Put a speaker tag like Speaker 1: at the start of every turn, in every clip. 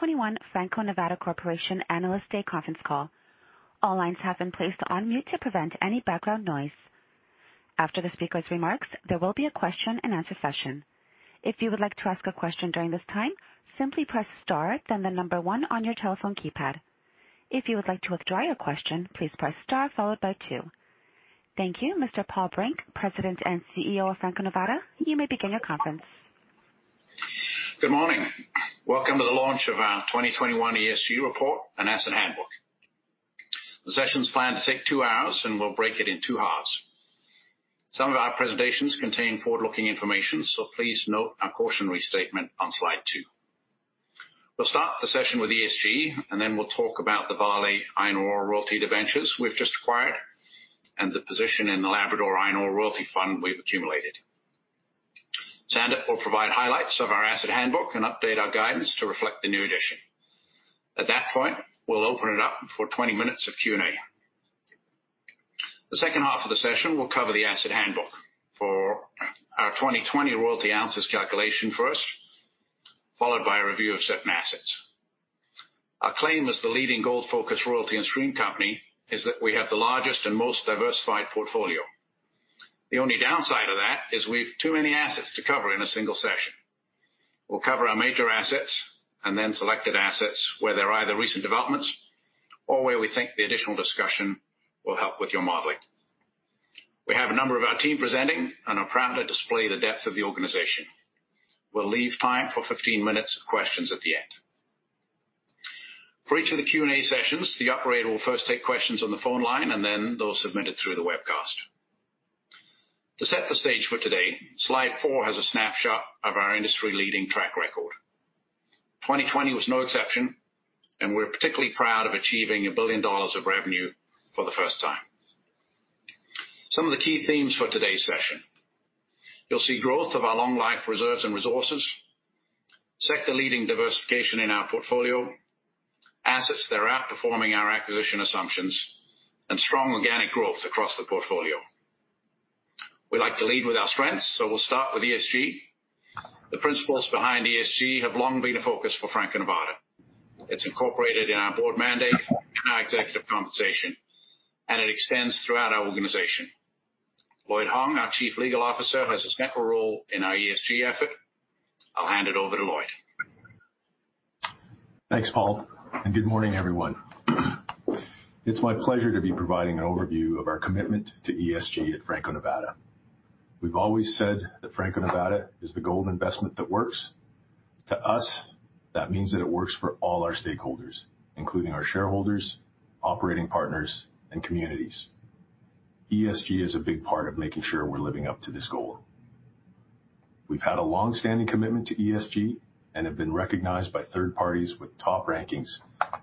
Speaker 1: 2021 Franco-Nevada Corporation Analyst Day conference call. All lines have been placed on mute to prevent any background noise. After the speaker's remarks, there will be a question-and-answer session. If you would like to ask a question during this time, simply press star then the number one on your telephone keypad. If you would like to withdraw your question, please press star followed by two. Thank you. Mr. Paul Brink, President and CEO of Franco-Nevada, you may begin your conference.
Speaker 2: Good morning. Welcome to the launch of our 2021 ESG Report and Asset Handbook. The session is planned to take two hours. We'll break it in two halves. Some of our presentations contain forward-looking information. Please note our cautionary statement on Slide 2. We'll start the session with ESG. We'll talk about the Vale iron ore royalty debentures we've just acquired and the position in the Labrador Iron Ore Royalty Corporation we've accumulated. To end it, we'll provide highlights of our Asset Handbook. We'll update our guidance to reflect the new addition. At that point, we'll open it up for 20 minutes of Q&A. The second half of the session will cover the Asset Handbook for our 2020 royalty ounces calculation first, followed by a review of certain assets. Our claim as the leading gold-focused royalty and stream company is that we have the largest and most diversified portfolio. The only downside of that is we've too many assets to cover in a single session. We'll cover our major assets, and then selected assets where there are either recent developments or where we think the additional discussion will help with your modeling. We have a number of our team presenting, and are proud to display the depth of the organization. We'll leave time for 15 minutes of questions at the end. For each of the Q&A sessions, the operator will first take questions on the phone line and then those submitted through the webcast. To set the stage for today, Slide 4 has a snapshot of our industry-leading track record. 2020 was no exception, and we're particularly proud of achieving $1 billion of revenue for the first time. Some of the key themes for today's session. You'll see growth of our long life reserves and resources, sector leading diversification in our portfolio, assets that are outperforming our acquisition assumptions, and strong organic growth across the portfolio. We like to lead with our strengths. We'll start with ESG. The principles behind ESG have long been a focus for Franco-Nevada. It's incorporated in our board mandate and our executive compensation, and it extends throughout our organization. Lloyd Hong, our Chief Legal Officer, has a central role in our ESG effort. I'll hand it over to Lloyd.
Speaker 3: Thanks, Paul. Good morning, everyone. It's my pleasure to be providing an overview of our commitment to ESG at Franco-Nevada. We've always said that Franco-Nevada is the gold investment that works. To us, that means that it works for all our stakeholders, including our shareholders, operating partners, and communities. ESG is a big part of making sure we're living up to this goal. We've had a long-standing commitment to ESG and have been recognized by third parties with top rankings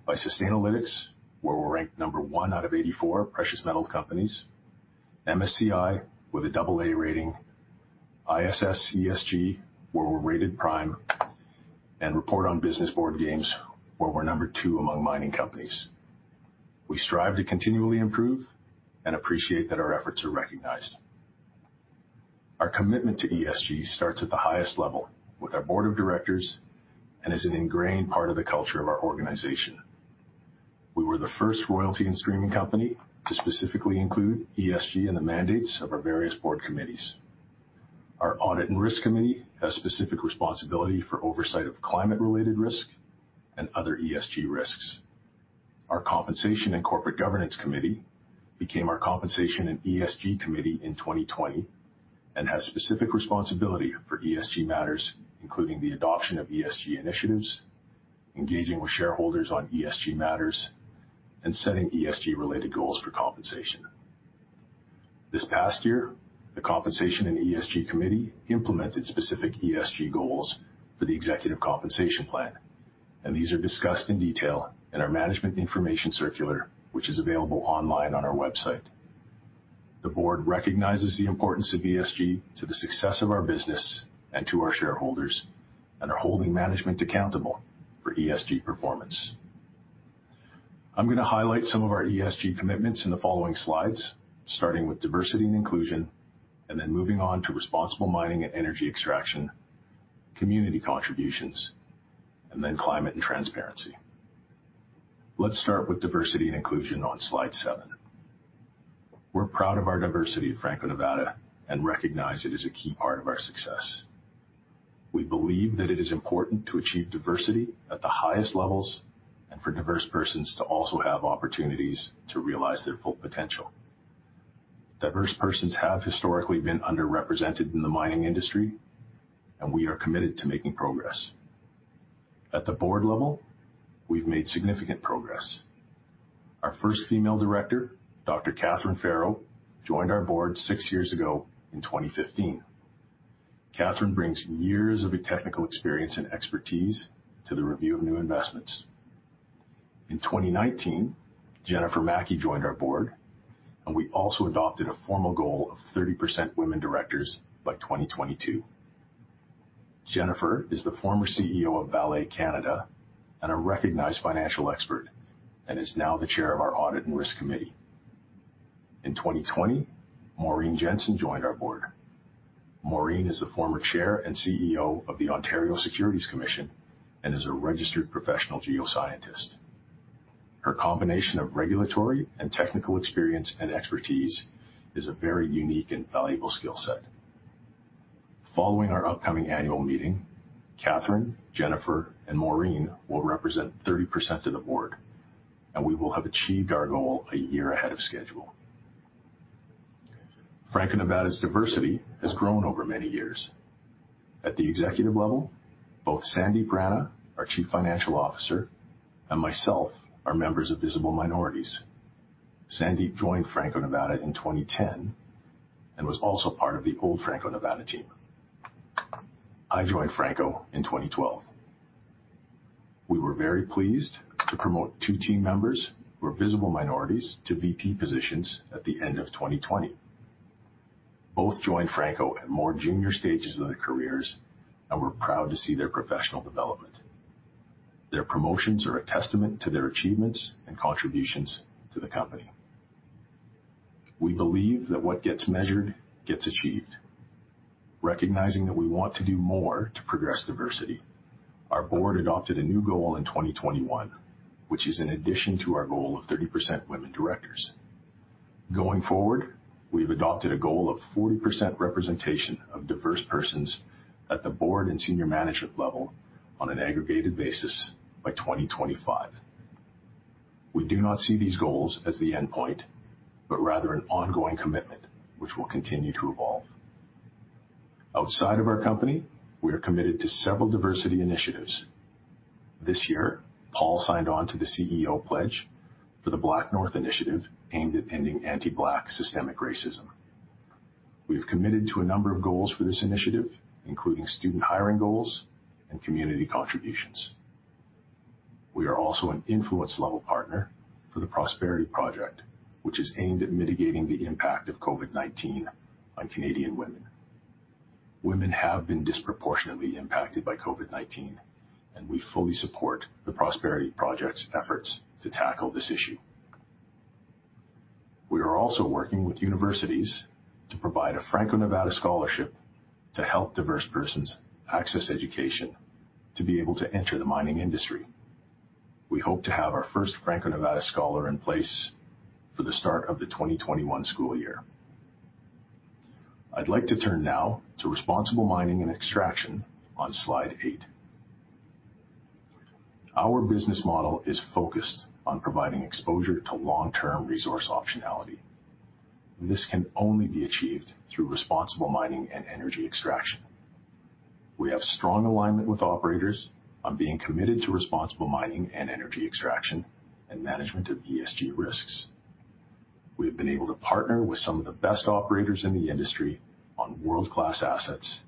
Speaker 3: by Sustainalytics, where we're ranked Number 1 out of 84 precious metals companies, MSCI with an AA rating, ISS ESG, where we're rated prime, and Report on Business Board Games, where we're number two among mining companies. We strive to continually improve and appreciate that our efforts are recognized. Our commitment to ESG starts at the highest level with our Board of Directors and is an ingrained part of the culture of our organization. We were the first royalty and streaming company to specifically include ESG in the mandates of our various board committees. Our Audit and Risk Committee has specific responsibility for oversight of climate-related risk and other ESG risks. Our Compensation and Corporate Governance Committee became our Compensation and ESG Committee in 2020 and has specific responsibility for ESG matters, including the adoption of ESG initiatives, engaging with shareholders on ESG matters, and setting ESG-related goals for compensation. This past year, the Compensation and ESG Committee implemented specific ESG goals for the executive compensation plan, and these are discussed in detail in our management information circular, which is available online on our website. The board recognizes the importance of ESG to the success of our business and to our shareholders and are holding management accountable for ESG performance. I'm going to highlight some of our ESG commitments in the following slides, starting with diversity and inclusion, and then moving on to responsible mining and energy extraction, community contributions, and then climate and transparency. Let's start with diversity and inclusion on Slide 7. We're proud of our diversity at Franco-Nevada and recognize it is a key part of our success. We believe that it is important to achieve diversity at the highest levels and for diverse persons to also have opportunities to realize their full potential. Diverse persons have historically been underrepresented in the mining industry, and we are committed to making progress. At the board level, we've made significant progress. Our first female director, Dr. Catharine Farrow, joined our board six years ago in 2015. Catharine brings years of technical experience and expertise to the review of new investments. In 2019, Jennifer Maki joined our board, and we also adopted a formal goal of 30% women directors by 2022. Jennifer is the former CEO of Vale Canada and a recognized financial expert and is now the Chair of our Audit and Risk Committee. In 2020, Maureen Jensen joined our board. Maureen is the former Chair and CEO of the Ontario Securities Commission and is a registered professional geoscientist. Her combination of regulatory and technical experience and expertise is a very unique and valuable skill set. Following our upcoming annual meeting, Catharine, Jennifer, and Maureen will represent 30% of the board, and we will have achieved our goal a year ahead of schedule. Franco-Nevada's diversity has grown over many years. At the executive level, both Sandip Rana, our Chief Financial Officer, and myself are members of visible minorities. Sandip joined Franco-Nevada in 2010 and was also part of the old Franco-Nevada team. I joined Franco in 2012. We were very pleased to promote two team members who are visible minorities to VP positions at the end of 2020. Both joined Franco at more junior stages of their careers, and we're proud to see their professional development. Their promotions are a testament to their achievements and contributions to the company. We believe that what gets measured gets achieved. Recognizing that we want to do more to progress diversity, our board adopted a new goal in 2021, which is an addition to our goal of 30% women directors. Going forward, we've adopted a goal of 40% representation of diverse persons at the board and senior management level on an aggregated basis by 2025. We do not see these goals as the endpoint, but rather an ongoing commitment, which will continue to evolve. Outside of our company, we are committed to several diversity initiatives. This year, Paul signed on to the CEO Pledge for the BlackNorth Initiative aimed at ending anti-Black systemic racism. We have committed to a number of goals for this initiative, including student hiring goals and community contributions. We are also an influence-level partner for The Prosperity Project, which is aimed at mitigating the impact of COVID-19 on Canadian women. Women have been disproportionately impacted by COVID-19, and we fully support The Prosperity Project's efforts to tackle this issue. We are also working with universities to provide a Franco-Nevada scholarship to help diverse persons access education to be able to enter the mining industry. We hope to have our first Franco-Nevada scholar in place for the start of the 2021 school year. I'd like to turn now to responsible mining and extraction on Slide 8. Our business model is focused on providing exposure to long-term resource optionality. This can only be achieved through responsible mining and energy extraction. We have strong alignment with operators on being committed to responsible mining and energy extraction and management of ESG risks. We have been able to partner with some of the best operators in the industry on world-class assets,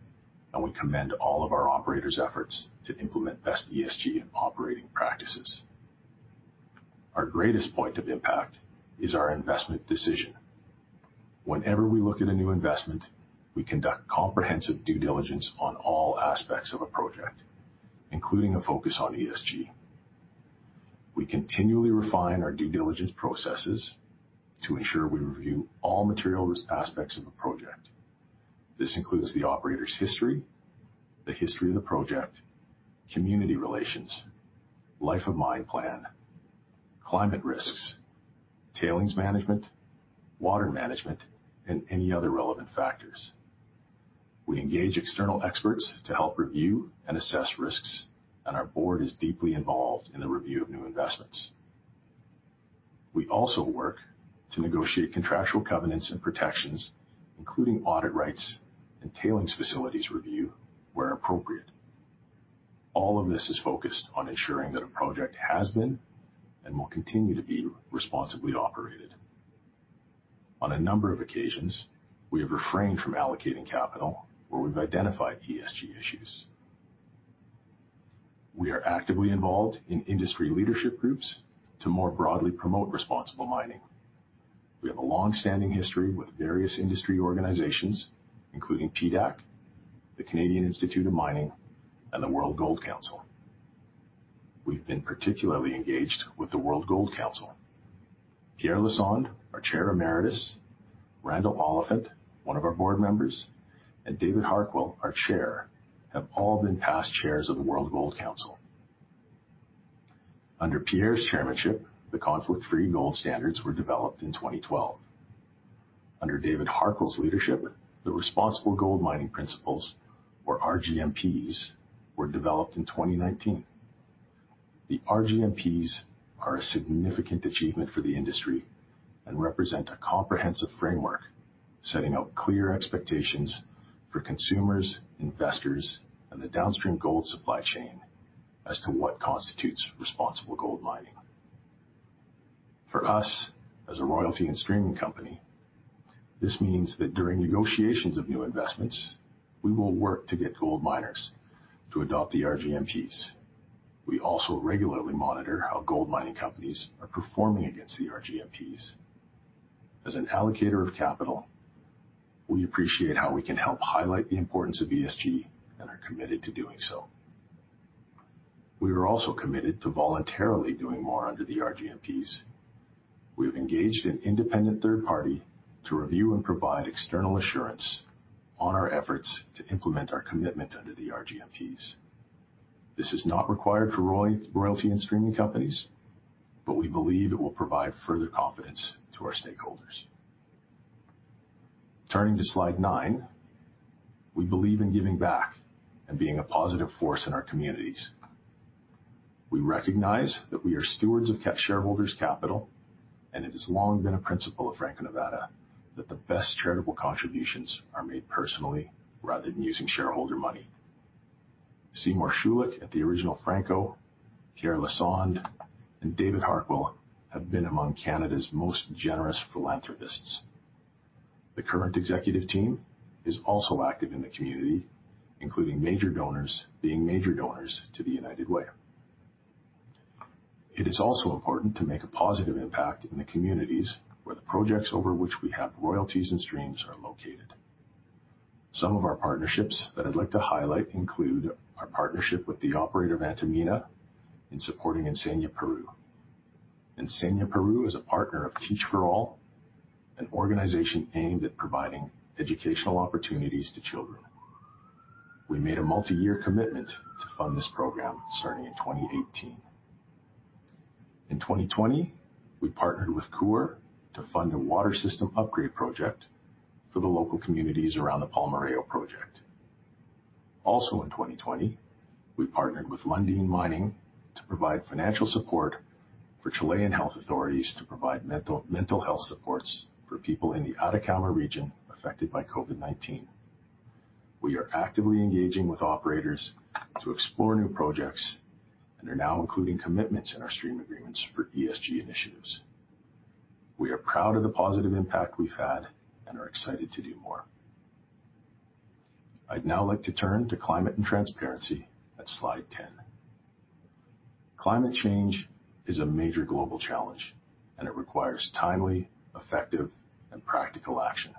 Speaker 3: and we commend all of our operators' efforts to implement best ESG and operating practices. Our greatest point of impact is our investment decision. Whenever we look at a new investment, we conduct comprehensive due diligence on all aspects of a project, including a focus on ESG. We continually refine our due diligence processes to ensure we review all material risk aspects of a project. This includes the operator's history, the history of the project, community relations, life of mine plan, climate risks, tailings management, water management, and any other relevant factors. We engage external experts to help review and assess risks, and our board is deeply involved in the review of new investments. We also work to negotiate contractual covenants and protections, including audit rights and tailings facilities review where appropriate. All of this is focused on ensuring that a project has been and will continue to be responsibly operated. On a number of occasions, we have refrained from allocating capital where we've identified ESG issues. We are actively involved in industry leadership groups to more broadly promote responsible mining. We have a long-standing history with various industry organizations, including PDAC, the Canadian Institute of Mining, and the World Gold Council. We've been particularly engaged with the World Gold Council. Pierre Lassonde, our Chair Emeritus, Randall Oliphant, one of our board members, and David Harquail, our Chair, have all been past chairs of the World Gold Council. Under Pierre's chairmanship, the Conflict-Free Gold Standards were developed in 2012. Under David Harquail's leadership, the Responsible Gold Mining Principles, or RGMPs, were developed in 2019. The RGMPs are a significant achievement for the industry and represent a comprehensive framework, setting out clear expectations for consumers, investors, and the downstream gold supply chain as to what constitutes responsible gold mining. For us, as a royalty and streaming company, this means that during negotiations of new investments, we will work to get gold miners to adopt the RGMPs. We also regularly monitor how gold mining companies are performing against the RGMPs. As an allocator of capital, we appreciate how we can help highlight the importance of ESG and are committed to doing so. We are also committed to voluntarily doing more under the RGMPs. We have engaged an independent third party to review and provide external assurance on our efforts to implement our commitment under the RGMPs. This is not required for royalty and streaming companies, but we believe it will provide further confidence to our stakeholders. Turning to Slide 9, we believe in giving back and being a positive force in our communities. We recognize that we are stewards of shareholders' capital, and it has long been a principle of Franco-Nevada that the best charitable contributions are made personally rather than using shareholder money. Seymour Schulich at the original Franco, Pierre Lassonde, and David Harquail have been among Canada's most generous philanthropists. The current executive team is also active in the community, including major donors being major donors to the United Way. It is also important to make a positive impact in the communities where the projects over which we have royalties and streams are located. Some of our partnerships that I'd like to highlight include our partnership with the operator of Antamina in supporting Enseña Perú. Enseña Perú is a partner of Teach For All, an organization aimed at providing educational opportunities to children. We made a multi-year commitment to fund this program starting in 2018. In 2020, we partnered with Coeur to fund a water system upgrade project for the local communities around the Palmarejo project. Also in 2020, we partnered with Lundin Mining to provide financial support for Chilean health authorities to provide mental health supports for people in the Atacama Region affected by COVID-19. We are actively engaging with operators to explore new projects and are now including commitments in our stream agreements for ESG initiatives. We are proud of the positive impact we've had and are excited to do more. I'd now like to turn to climate and transparency at Slide 10. Climate change is a major global challenge, and it requires timely, effective, and practical action.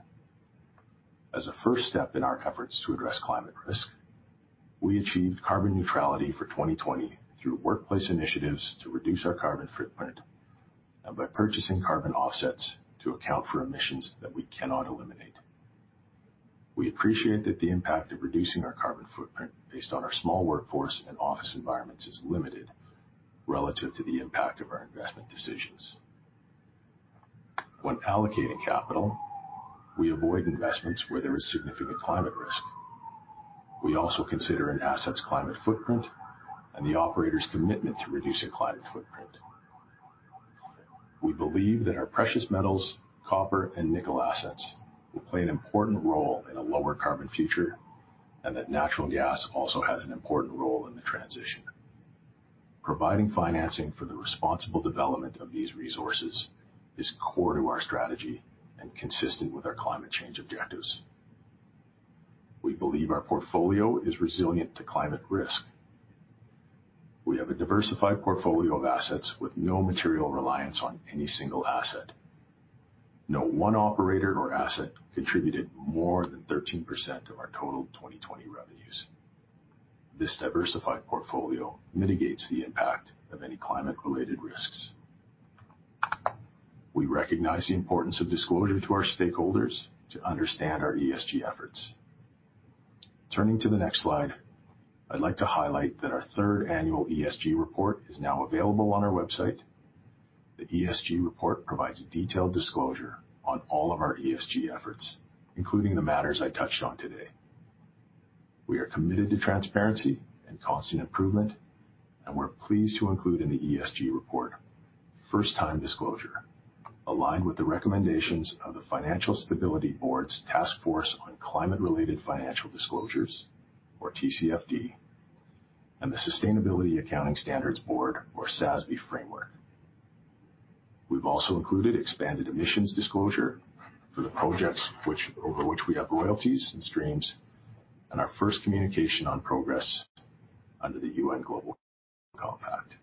Speaker 3: As a first step in our efforts to address climate risk, we achieved carbon neutrality for 2020 through workplace initiatives to reduce our carbon footprint and by purchasing carbon offsets to account for emissions that we cannot eliminate. We appreciate that the impact of reducing our carbon footprint based on our small workforce and office environments is limited relative to the impact of our investment decisions. When allocating capital, we avoid investments where there is significant climate risk. We also consider an asset's climate footprint and the operator's commitment to reducing climate footprint. We believe that our precious metals, copper, and nickel assets will play an important role in a lower carbon future and that natural gas also has an important role in the transition. Providing financing for the responsible development of these resources is core to our strategy and consistent with our climate change objectives. We believe our portfolio is resilient to climate risk. We have a diversified portfolio of assets with no material reliance on any single asset. No one operator or asset contributed more than 13% of our total 2020 revenues. This diversified portfolio mitigates the impact of any climate-related risks. We recognize the importance of disclosure to our stakeholders to understand our ESG efforts. Turning to the next slide, I'd like to highlight that our third annual ESG report is now available on our website. The ESG report provides a detailed disclosure on all of our ESG efforts, including the matters I touched on today. We are committed to transparency and constant improvement, and we're pleased to include in the ESG report first-time disclosure aligned with the recommendations of the Financial Stability Board's Task Force on Climate-Related Financial Disclosures, or TCFD, and the Sustainability Accounting Standards Board, or SASB framework. We've also included expanded emissions disclosure for the projects over which we have royalties and streams and our first communication on progress under the UN Global Compact.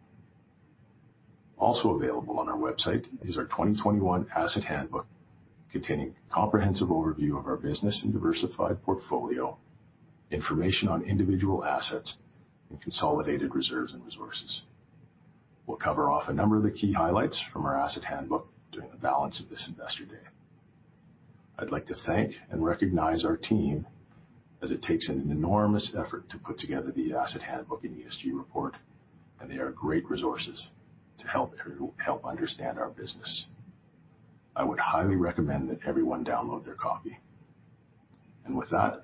Speaker 3: Also available on our website is our 2021 asset handbook, containing a comprehensive overview of our business and diversified portfolio, information on individual assets, and consolidated reserves and resources. We'll cover off a number of the key highlights from our asset handbook during the balance of this Investor Day. I'd like to thank and recognize our team, as it takes an enormous effort to put together the asset handbook and ESG report, and they are great resources to help understand our business. I would highly recommend that everyone download their copy. With that,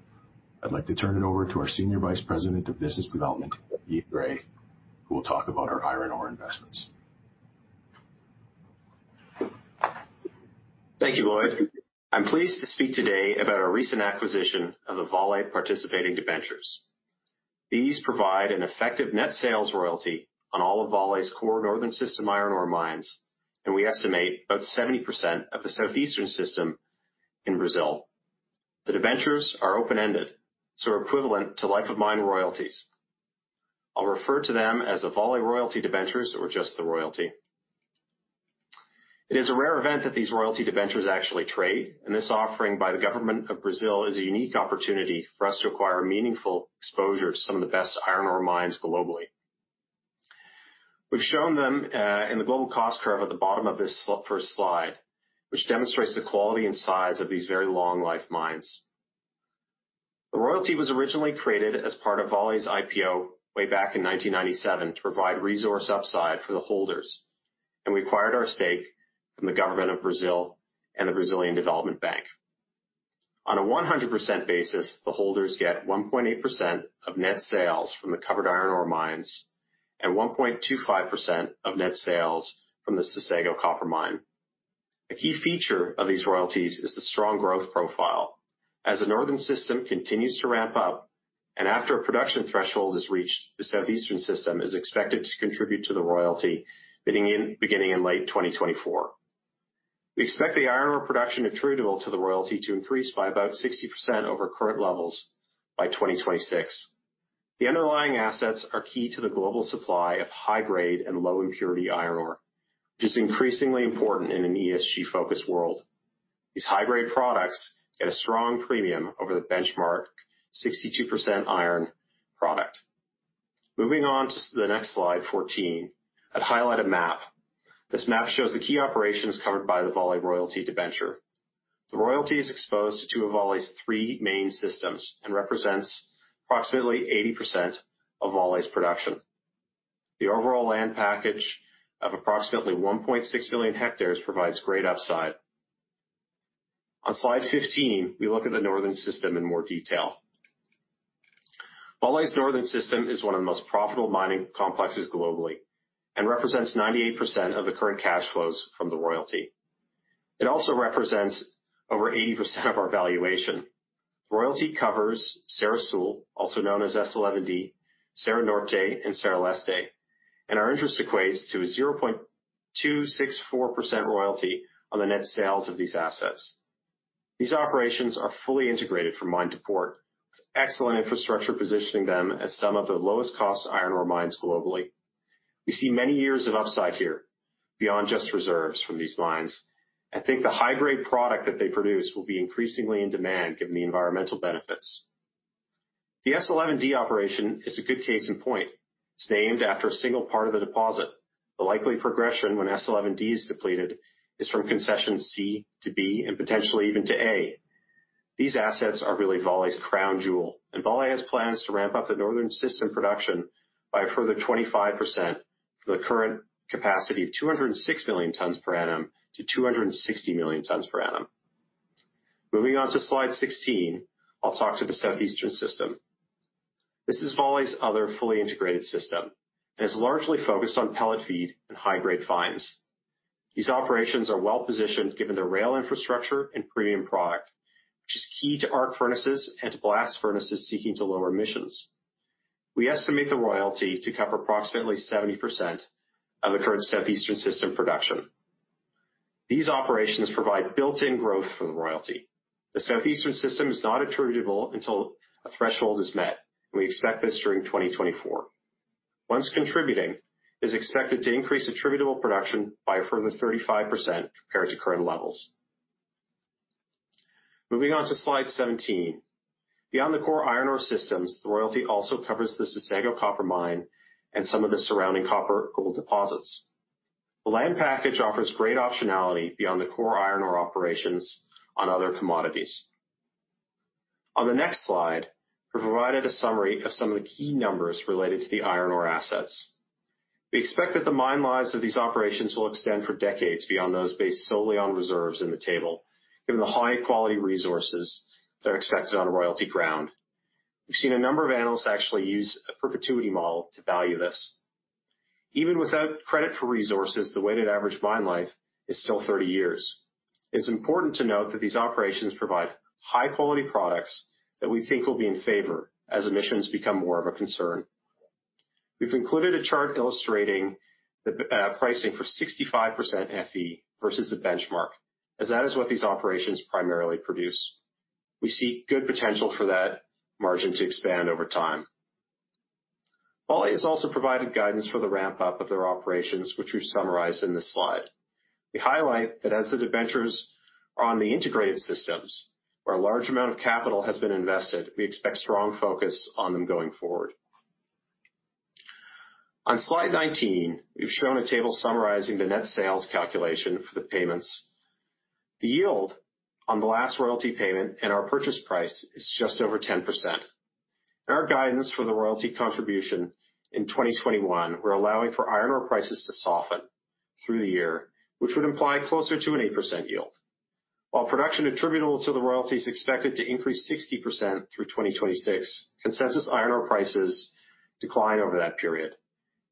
Speaker 3: I'd like to turn it over to our Senior Vice President of Business Development, Eaun Gray, who will talk about our iron ore investments.
Speaker 4: Thank you, Lloyd. I'm pleased to speak today about our recent acquisition of the Vale participating debentures. These provide an effective net sales royalty on all of Vale's core Northern System iron ore mines, and we estimate about 70% of the Southeastern System in Brazil. The debentures are open-ended, so are equivalent to life of mine royalties. I'll refer to them as the Vale royalty debentures or just the royalty. It is a rare event that these royalty debentures actually trade, and this offering by the government of Brazil is a unique opportunity for us to acquire meaningful exposure to some of the best iron ore mines globally. We've shown them in the global cost curve at the bottom of this first slide, which demonstrates the quality and size of these very long-life mines. The royalty was originally created as part of Vale's IPO way back in 1997 to provide resource upside for the holders. We acquired our stake from the government of Brazil and the Brazilian Development Bank. On a 100% basis, the holders get 1.8% of net sales from the covered iron ore mines and 1.25% of net sales from the Sossego copper mine. A key feature of these royalties is the strong growth profile. As the Northern System continues to ramp up and after a production threshold is reached, the Southeastern System is expected to contribute to the royalty beginning in late 2024. We expect the iron ore production attributable to the royalty to increase by about 60% over current levels by 2026. The underlying assets are key to the global supply of high-grade and low-impurity iron ore, which is increasingly important in an ESG-focused world. These high-grade products get a strong premium over the benchmark 62% iron product. Moving on to the next Slide, 14, I'd highlight a map. This map shows the key operations covered by the Vale royalty debenture. The royalty is exposed to two of Vale's three main systems and represents approximately 80% of Vale's production. The overall land package of approximately 1.6 billion hectares provides great upside. On Slide 15, we look at the Northern System in more detail. Vale's Northern System is one of the most profitable mining complexes globally and represents 98% of the current cash flows from the royalty. It also represents over 80% of our valuation. Royalty covers Serra Sul, also known as S11D, Serra Norte and Serra Leste, and our interest equates to a 0.264% royalty on the net sales of these assets. These operations are fully integrated from mine to port, with excellent infrastructure positioning them as some of the lowest cost iron ore mines globally. We see many years of upside here beyond just reserves from these mines. I think the high-grade product that they produce will be increasingly in demand given the environmental benefits. The S11D operation is a good case in point. It's named after a single part of the deposit. The likely progression when S11D is depleted is from Concession C to B, and potentially even to A. These assets are really Vale's crown jewel, and Vale has plans to ramp up the Northern System production by a further 25% from the current capacity of 206 million tons per annum to 260 million tons per annum. Moving on to Slide 16, I'll talk to the Southeastern System. This is Vale's other fully integrated system, and is largely focused on pellet feed and high-grade fines. These operations are well-positioned given the rail infrastructure and premium product, which is key to arc furnaces and to blast furnaces seeking to lower emissions. We estimate the royalty to cover approximately 70% of the current Southeastern System production. These operations provide built-in growth for the royalty. The Southeastern System is not attributable until a threshold is met, and we expect this during 2024. Once contributing, is expected to increase attributable production by a further 35% compared to current levels. Moving on to Slide 17. Beyond the core iron ore systems, the royalty also covers the Sossego copper mine and some of the surrounding copper gold deposits. The land package offers great optionality beyond the core iron ore operations on other commodities. On the next slide, we've provided a summary of some of the key numbers related to the iron ore assets. We expect that the mine lives of these operations will extend for decades beyond those based solely on reserves in the table, given the high-quality resources that are expected on a royalty ground. We've seen a number of analysts actually use a perpetuity model to value this. Even without credit for resources, the weighted average mine life is still 30 years. It's important to note that these operations provide high-quality products that we think will be in favor as emissions become more of a concern. We've included a chart illustrating the pricing for 65% Fe versus the benchmark, as that is what these operations primarily produce. We see good potential for that margin to expand over time. Vale has also provided guidance for the ramp-up of their operations, which we've summarized in this slide. We highlight that as the debentures are on the integrated systems where a large amount of capital has been invested, we expect strong focus on them going forward. On Slide 19, we've shown a table summarizing the net sales calculation for the payments. The yield on the last royalty payment and our purchase price is just over 10%. In our guidance for the royalty contribution in 2021, we're allowing for iron ore prices to soften through the year, which would imply closer to an 8% yield. While production attributable to the royalty is expected to increase 60% through 2026, consensus iron ore prices decline over that period.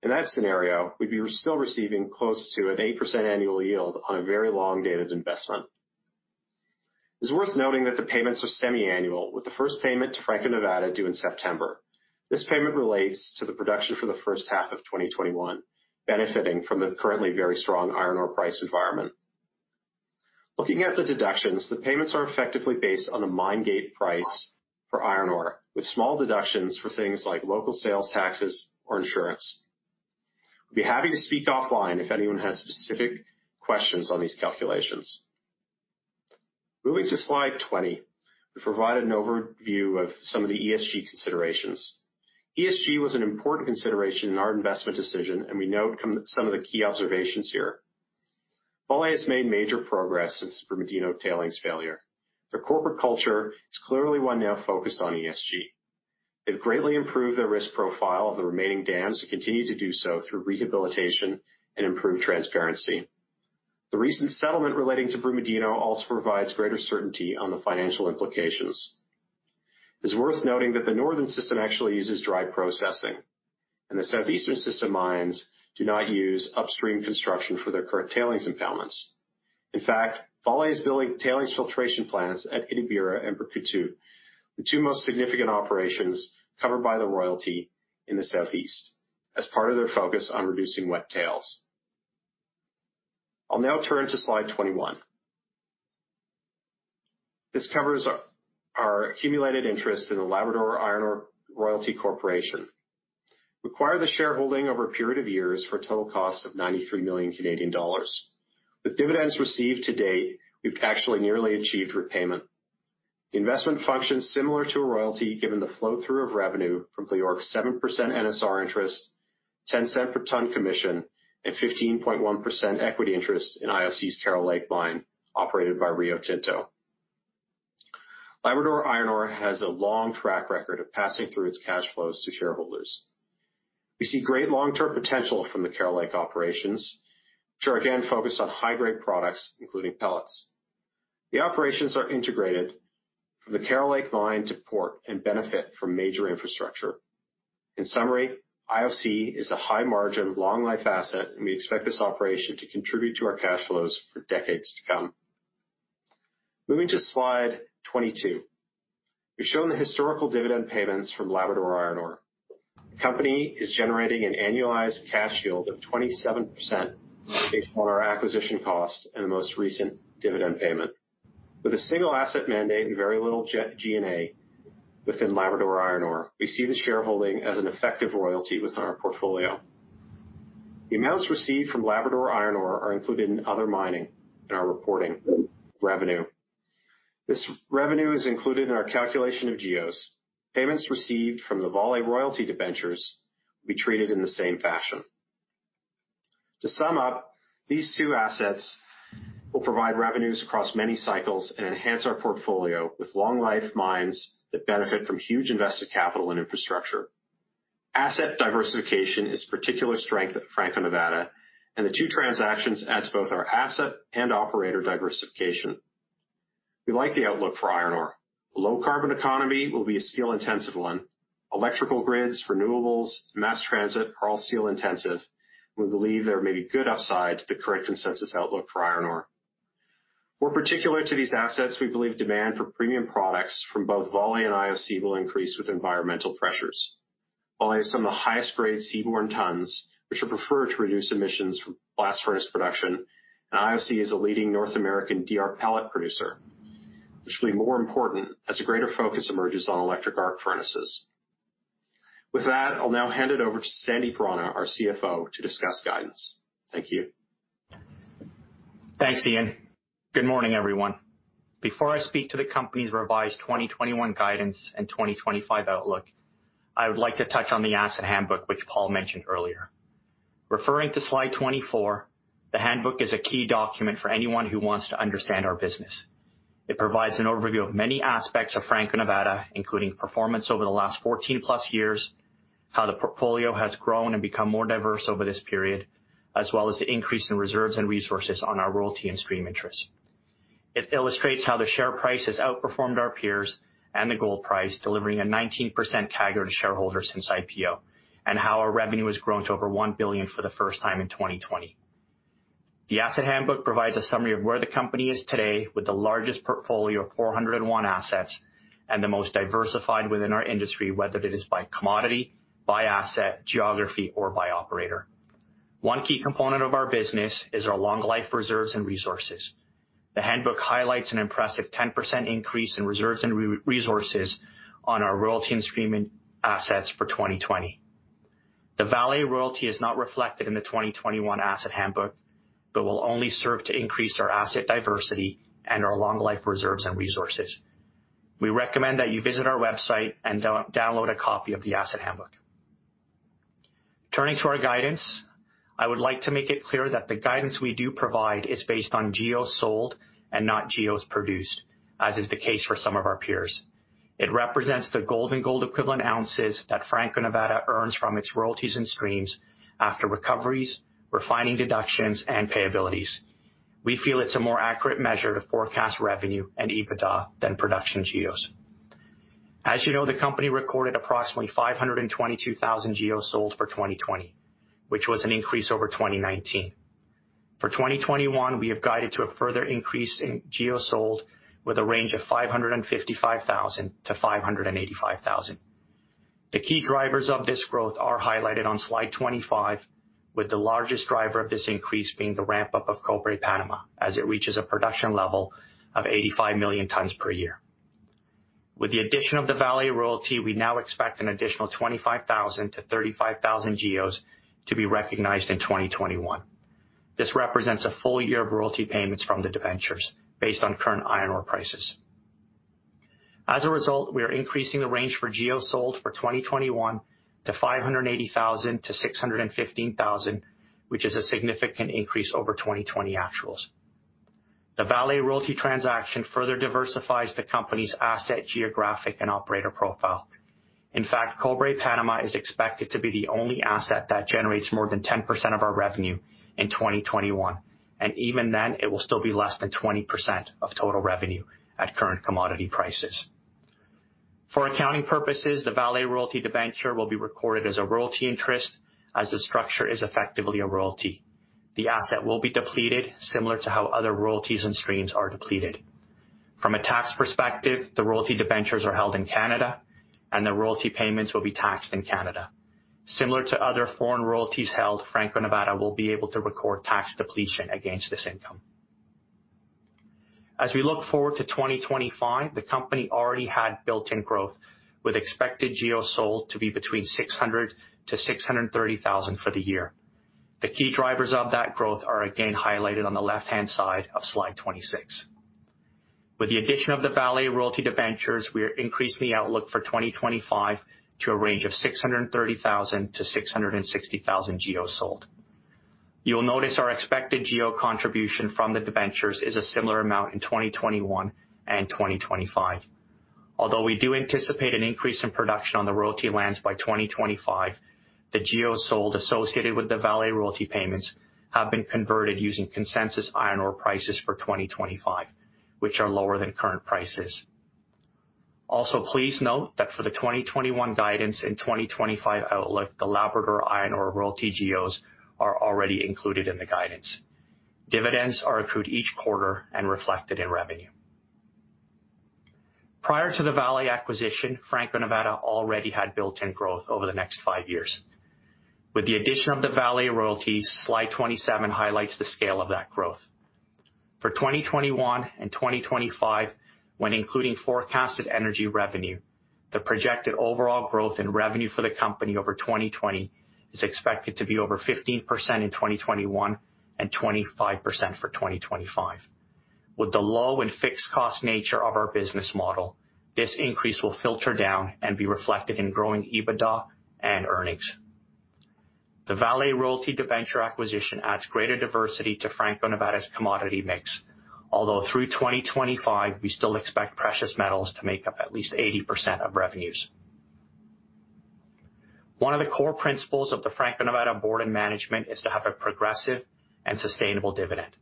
Speaker 4: In that scenario, we'd be still receiving close to an 8% annual yield on a very long-dated investment. It's worth noting that the payments are semi-annual, with the first payment to Franco-Nevada due in September. This payment relates to the production for the first half of 2021, benefiting from the currently very strong iron ore price environment. Looking at the deductions, the payments are effectively based on the mine gate price for iron ore, with small deductions for things like local sales taxes or insurance. We'll be happy to speak offline if anyone has specific questions on these calculations. Moving to Slide 20, we provide an overview of some of the ESG considerations. ESG was an important consideration in our investment decision, and we note some of the key observations here. Vale has made major progress since the Brumadinho tailings failure. Their corporate culture is clearly one now focused on ESG. They've greatly improved their risk profile of the remaining dams and continue to do so through rehabilitation and improved transparency. The recent settlement relating to Brumadinho also provides greater certainty on the financial implications. It's worth noting that the northern system actually uses dry processing, and the southeastern system mines do not use upstream construction for their current tailings impoundments. In fact, Vale is building tailings filtration plants at Itabira and Brucutu, the two most significant operations covered by the royalty in the southeast, as part of their focus on reducing wet tails. I'll now turn to Slide 21. This covers our accumulated interest in the Labrador Iron Ore Royalty Corporation. Acquired the shareholding over a period of years for a total cost of 93 million Canadian dollars. With dividends received to date, we've actually nearly achieved repayment. The investment functions similar to a royalty given the flow-through of revenue from New York's 7% NSR interest, $0.10 per ton commission, and 15.1% equity interest in IOC's Carol Lake Mine operated by Rio Tinto. Labrador Iron Ore has a long track record of passing through its cash flows to shareholders. We see great long-term potential from the Carol Lake operations, which are again focused on high-grade products, including pellets. The operations are integrated from the Carol Lake mine to port and benefit from major infrastructure. In summary, IOC is a high margin, long life asset, and we expect this operation to contribute to our cash flows for decades to come. Moving to Slide 22. We've shown the historical dividend payments from Labrador Iron Ore. The company is generating an annualized cash yield of 27% based on our acquisition cost and the most recent dividend payment. With a single asset mandate and very little G&A within Labrador Iron Ore, we see the shareholding as an effective royalty within our portfolio. The amounts received from Labrador Iron Ore are included in other mining in our reporting revenue. This revenue is included in our calculation of GEOs. Payments received from the Vale Royalty debentures will be treated in the same fashion. To sum up, these two assets will provide revenues across many cycles and enhance our portfolio with long life mines that benefit from huge invested capital and infrastructure. Asset diversification is particular strength of Franco-Nevada, and the two transactions adds both our asset and operator diversification. We like the outlook for Iron Ore. Low carbon economy will be a steel-intensive one. Electrical grids, renewables, mass transit, are all steel intensive. We believe there may be good upside to the current consensus outlook for Iron Ore. More particular to these assets, we believe demand for premium products from both Vale and IOC will increase with environmental pressures. Vale has some of the highest-grade seaborne tons, which will prefer to reduce emissions from blast furnace production, and IOC is a leading North American DR pellet producer, which will be more important as a greater focus emerges on electric arc furnaces. With that, I'll now hand it over to Sandip Rana, our CFO, to discuss guidance. Thank you.
Speaker 5: Thanks, Eaun. Good morning, everyone. Before I speak to the company's revised 2021 guidance and 2025 outlook, I would like to touch on the asset handbook, which Paul mentioned earlier. Referring to Slide 24, the handbook is a key document for anyone who wants to understand our business. It provides an overview of many aspects of Franco-Nevada, including performance over the last 14 plus years, how the portfolio has grown and become more diverse over this period, as well as the increase in reserves and resources on our royalty and stream interest. It illustrates how the share price has outperformed our peers and the gold price, delivering a 19% CAGR to shareholders since IPO, and how our revenue has grown to over $1 billion for the first time in 2020. The asset handbook provides a summary of where the company is today with the largest portfolio of 401 assets and the most diversified within our industry, whether it is by commodity, by asset, geography, or by operator. One key component of our business is our long life reserves and resources. The handbook highlights an impressive 10% increase in reserves and resources on our royalty and streaming assets for 2020. The Vale royalty is not reflected in the 2021 asset handbook, will only serve to increase our asset diversity and our long life reserves and resources. We recommend that you visit our website and download a copy of the asset handbook. Turning to our guidance, I would like to make it clear that the guidance we do provide is based on GEOs sold and not GEOs produced, as is the case for some of our peers. It represents the Gold Equivalent Ounces that Franco-Nevada earns from its royalties and streams after recoveries, refining deductions, and payabilities. We feel it's a more accurate measure to forecast revenue and EBITDA than production GEOs. As you know, the company recorded approximately 522,000 GEOs sold for 2020, which was an increase over 2019. For 2021, we have guided to a further increase in GEOs sold with a range of 555,000 to 585,000. The key drivers of this growth are highlighted on Slide 25, with the largest driver of this increase being the ramp-up of Cobre Panamá as it reaches a production level of 85 million tons per year. With the addition of the Vale royalty, we now expect an additional 25,000 to 35,000 GEOs to be recognized in 2021. This represents a full year of royalty payments from the debentures based on current iron ore prices. As a result, we are increasing the range for GEOs sold for 2021 to 580,000 to 615,000, which is a significant increase over 2020 actuals. The Vale royalty transaction further diversifies the company's asset geographic and operator profile. In fact, Cobre Panamá is expected to be the only asset that generates more than 10% of our revenue in 2021. Even then, it will still be less than 20% of total revenue at current commodity prices. For accounting purposes, the Vale royalty debenture will be recorded as a royalty interest, as the structure is effectively a royalty. The asset will be depleted similar to how other royalties and streams are depleted. From a tax perspective, the royalty debentures are held in Canada, and the royalty payments will be taxed in Canada. Similar to other foreign royalties held, Franco-Nevada will be able to record tax depletion against this income. As we look forward to 2025, the company already had built-in growth, with expected GEOs sold to be between 600,000-630,000 for the year. The key drivers of that growth are again highlighted on the left-hand side of Slide 26. With the addition of the Vale royalty debentures, we are increasing the outlook for 2025 to a range of 630,000-660,000 GEOs sold. You'll notice our expected GEO contribution from the debentures is a similar amount in 2021 and 2025. We do anticipate an increase in production on the royalty lands by 2025, the GEOs sold associated with the Vale royalty payments have been converted using consensus iron ore prices for 2025, which are lower than current prices. Please note that for the 2021 guidance and 2025 outlook, the Labrador Iron Ore Royalty GEOs are already included in the guidance. Dividends are accrued each quarter and reflected in revenue. Prior to the Vale acquisition, Franco-Nevada already had built-in growth over the next five years. With the addition of the Vale royalties, Slide 27 highlights the scale of that growth. For 2021 and 2025, when including forecasted energy revenue, the projected overall growth in revenue for the company over 2020 is expected to be over 15% in 2021 and 25% for 2025. With the low and fixed cost nature of our business model, this increase will filter down and be reflected in growing EBITDA and earnings. The Vale royalty debenture acquisition adds greater diversity to Franco-Nevada's commodity mix. Although through 2025, we still expect precious metals to make up at least 80% of revenues. One of the core principles of the Franco-Nevada board and management is to have a progressive and sustainable dividend.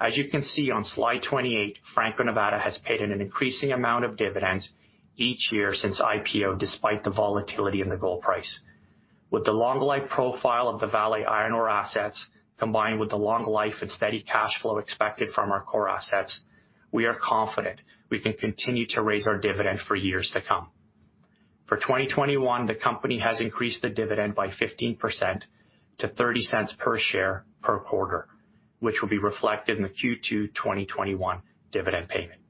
Speaker 5: As you can see on Slide 28, Franco-Nevada has paid an increasing amount of dividends each year since IPO, despite the volatility in the gold price. With the long-life profile of the Vale iron ore assets, combined with the long life and steady cash flow expected from our core assets, we are confident we can continue to raise our dividend for years to come. For 2021, the company has increased the dividend by 15% to $0.30 per share per quarter, which will be reflected in the Q2 2021 dividend payment.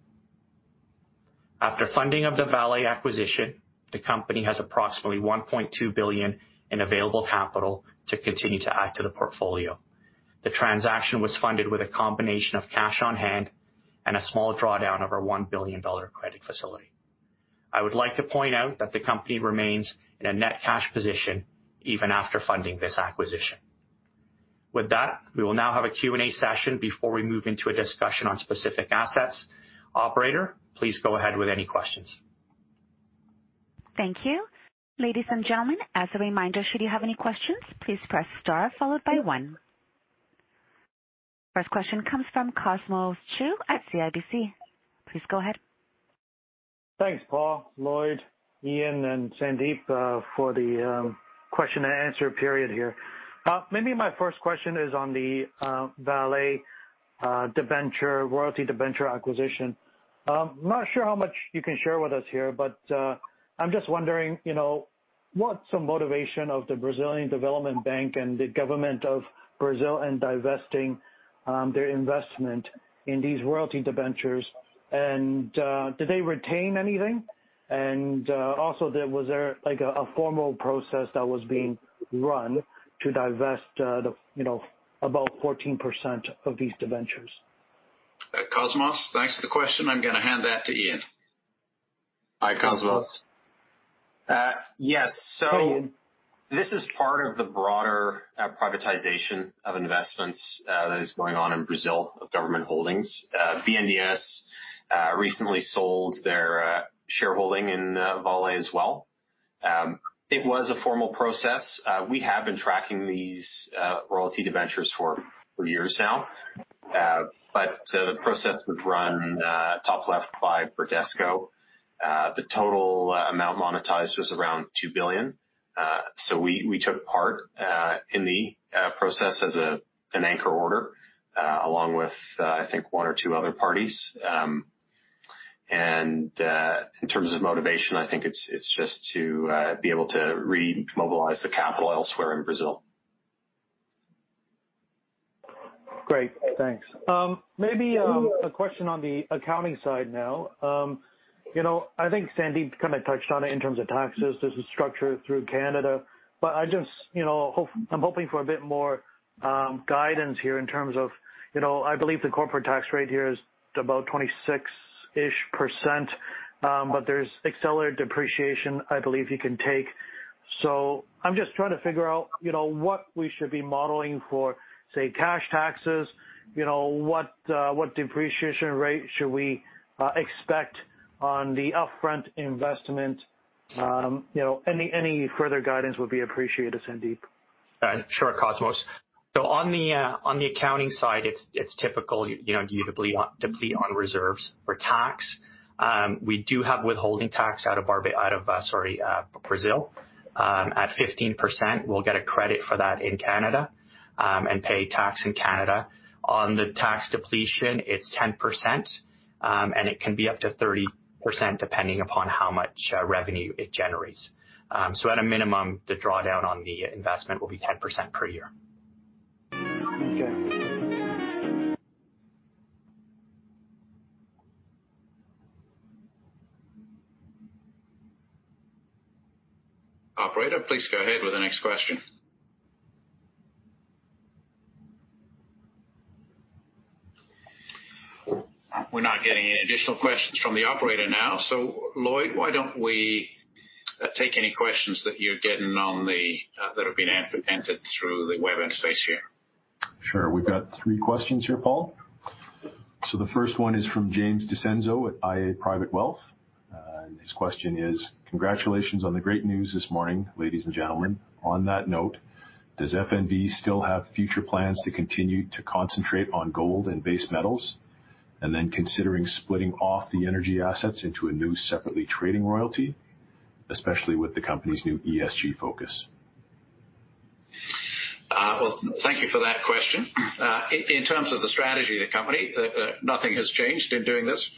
Speaker 5: After funding of the Vale acquisition, the company has approximately $1.2 billion in available capital to continue to add to the portfolio. The transaction was funded with a combination of cash on hand and a small drawdown of our $1 billion credit facility. I would like to point out that the company remains in a net cash position even after funding this acquisition. With that, we will now have a Q&A session before we move into a discussion on specific assets. Operator, please go ahead with any questions.
Speaker 1: Thank you. Ladies and gentlemen, as a reminder, should you have any questions, please press star followed by one. First question comes from Cosmos Chiu at CIBC. Please go ahead.
Speaker 6: Thanks, Paul, Lloyd, Eaun, and Sandip, for the question and answer period here. Maybe my first question is on the Vale royalty debenture acquisition. Not sure how much you can share with us here, but I'm just wondering what's the motivation of the Brazilian Development Bank and the government of Brazil in divesting their investment in these royalty debentures, and did they retain anything? Also, was there a formal process that was being run to divest about 14% of these debentures?
Speaker 5: Cosmos, thanks for the question. I'm going to hand that to Eaun.
Speaker 4: Hi, Cosmos. Yes. This is part of the broader privatization of investments that is going on in Brazil of government holdings. BNDES recently sold their shareholding in Vale as well. It was a formal process. We have been tracking these royalty debentures for years now. The process was run top left by Bradesco. The total amount monetized was around $2 billion. We took part in the process as an anchor order, along with, I think, one or two other parties. In terms of motivation, I think it's just to be able to remobilize the capital elsewhere in Brazil.
Speaker 6: Great, thanks. Maybe a question on the accounting side now. I think Sandip kind of touched on it in terms of taxes. There's a structure through Canada, but I'm hoping for a bit more guidance here in terms of, I believe the corporate tax rate here is about 26-ish%, but there's accelerated depreciation I believe you can take. I'm just trying to figure out what we should be modeling for, say, cash taxes, what depreciation rate should we expect on the upfront investment. Any further guidance would be appreciated, Sandip.
Speaker 5: Sure, Cosmos. On the accounting side, it's typical, you deplete on reserves for tax. We do have withholding tax out of, sorry, Brazil, at 15%. We'll get a credit for that in Canada, and pay tax in Canada. On the tax depletion, it's 10%, and it can be up to 30% depending upon how much revenue it generates. At a minimum, the drawdown on the investment will be 10% per year.
Speaker 6: Okay.
Speaker 2: Operator, please go ahead with the next question. We're not getting any additional questions from the operator now. Lloyd, why don't we take any questions that you're getting that have been entered through the web interface here?
Speaker 3: Sure. We've got three questions here, Paul. The first one is from James DiCenzo at iA Private Wealth. His question is, "Congratulations on the great news this morning, ladies and gentlemen. On that note, does FNV still have future plans to continue to concentrate on gold and base metals? Considering splitting off the energy assets into a new separately trading royalty, especially with the company's new ESG focus?
Speaker 2: Well, thank you for that question. In terms of the strategy of the company, nothing has changed in doing this.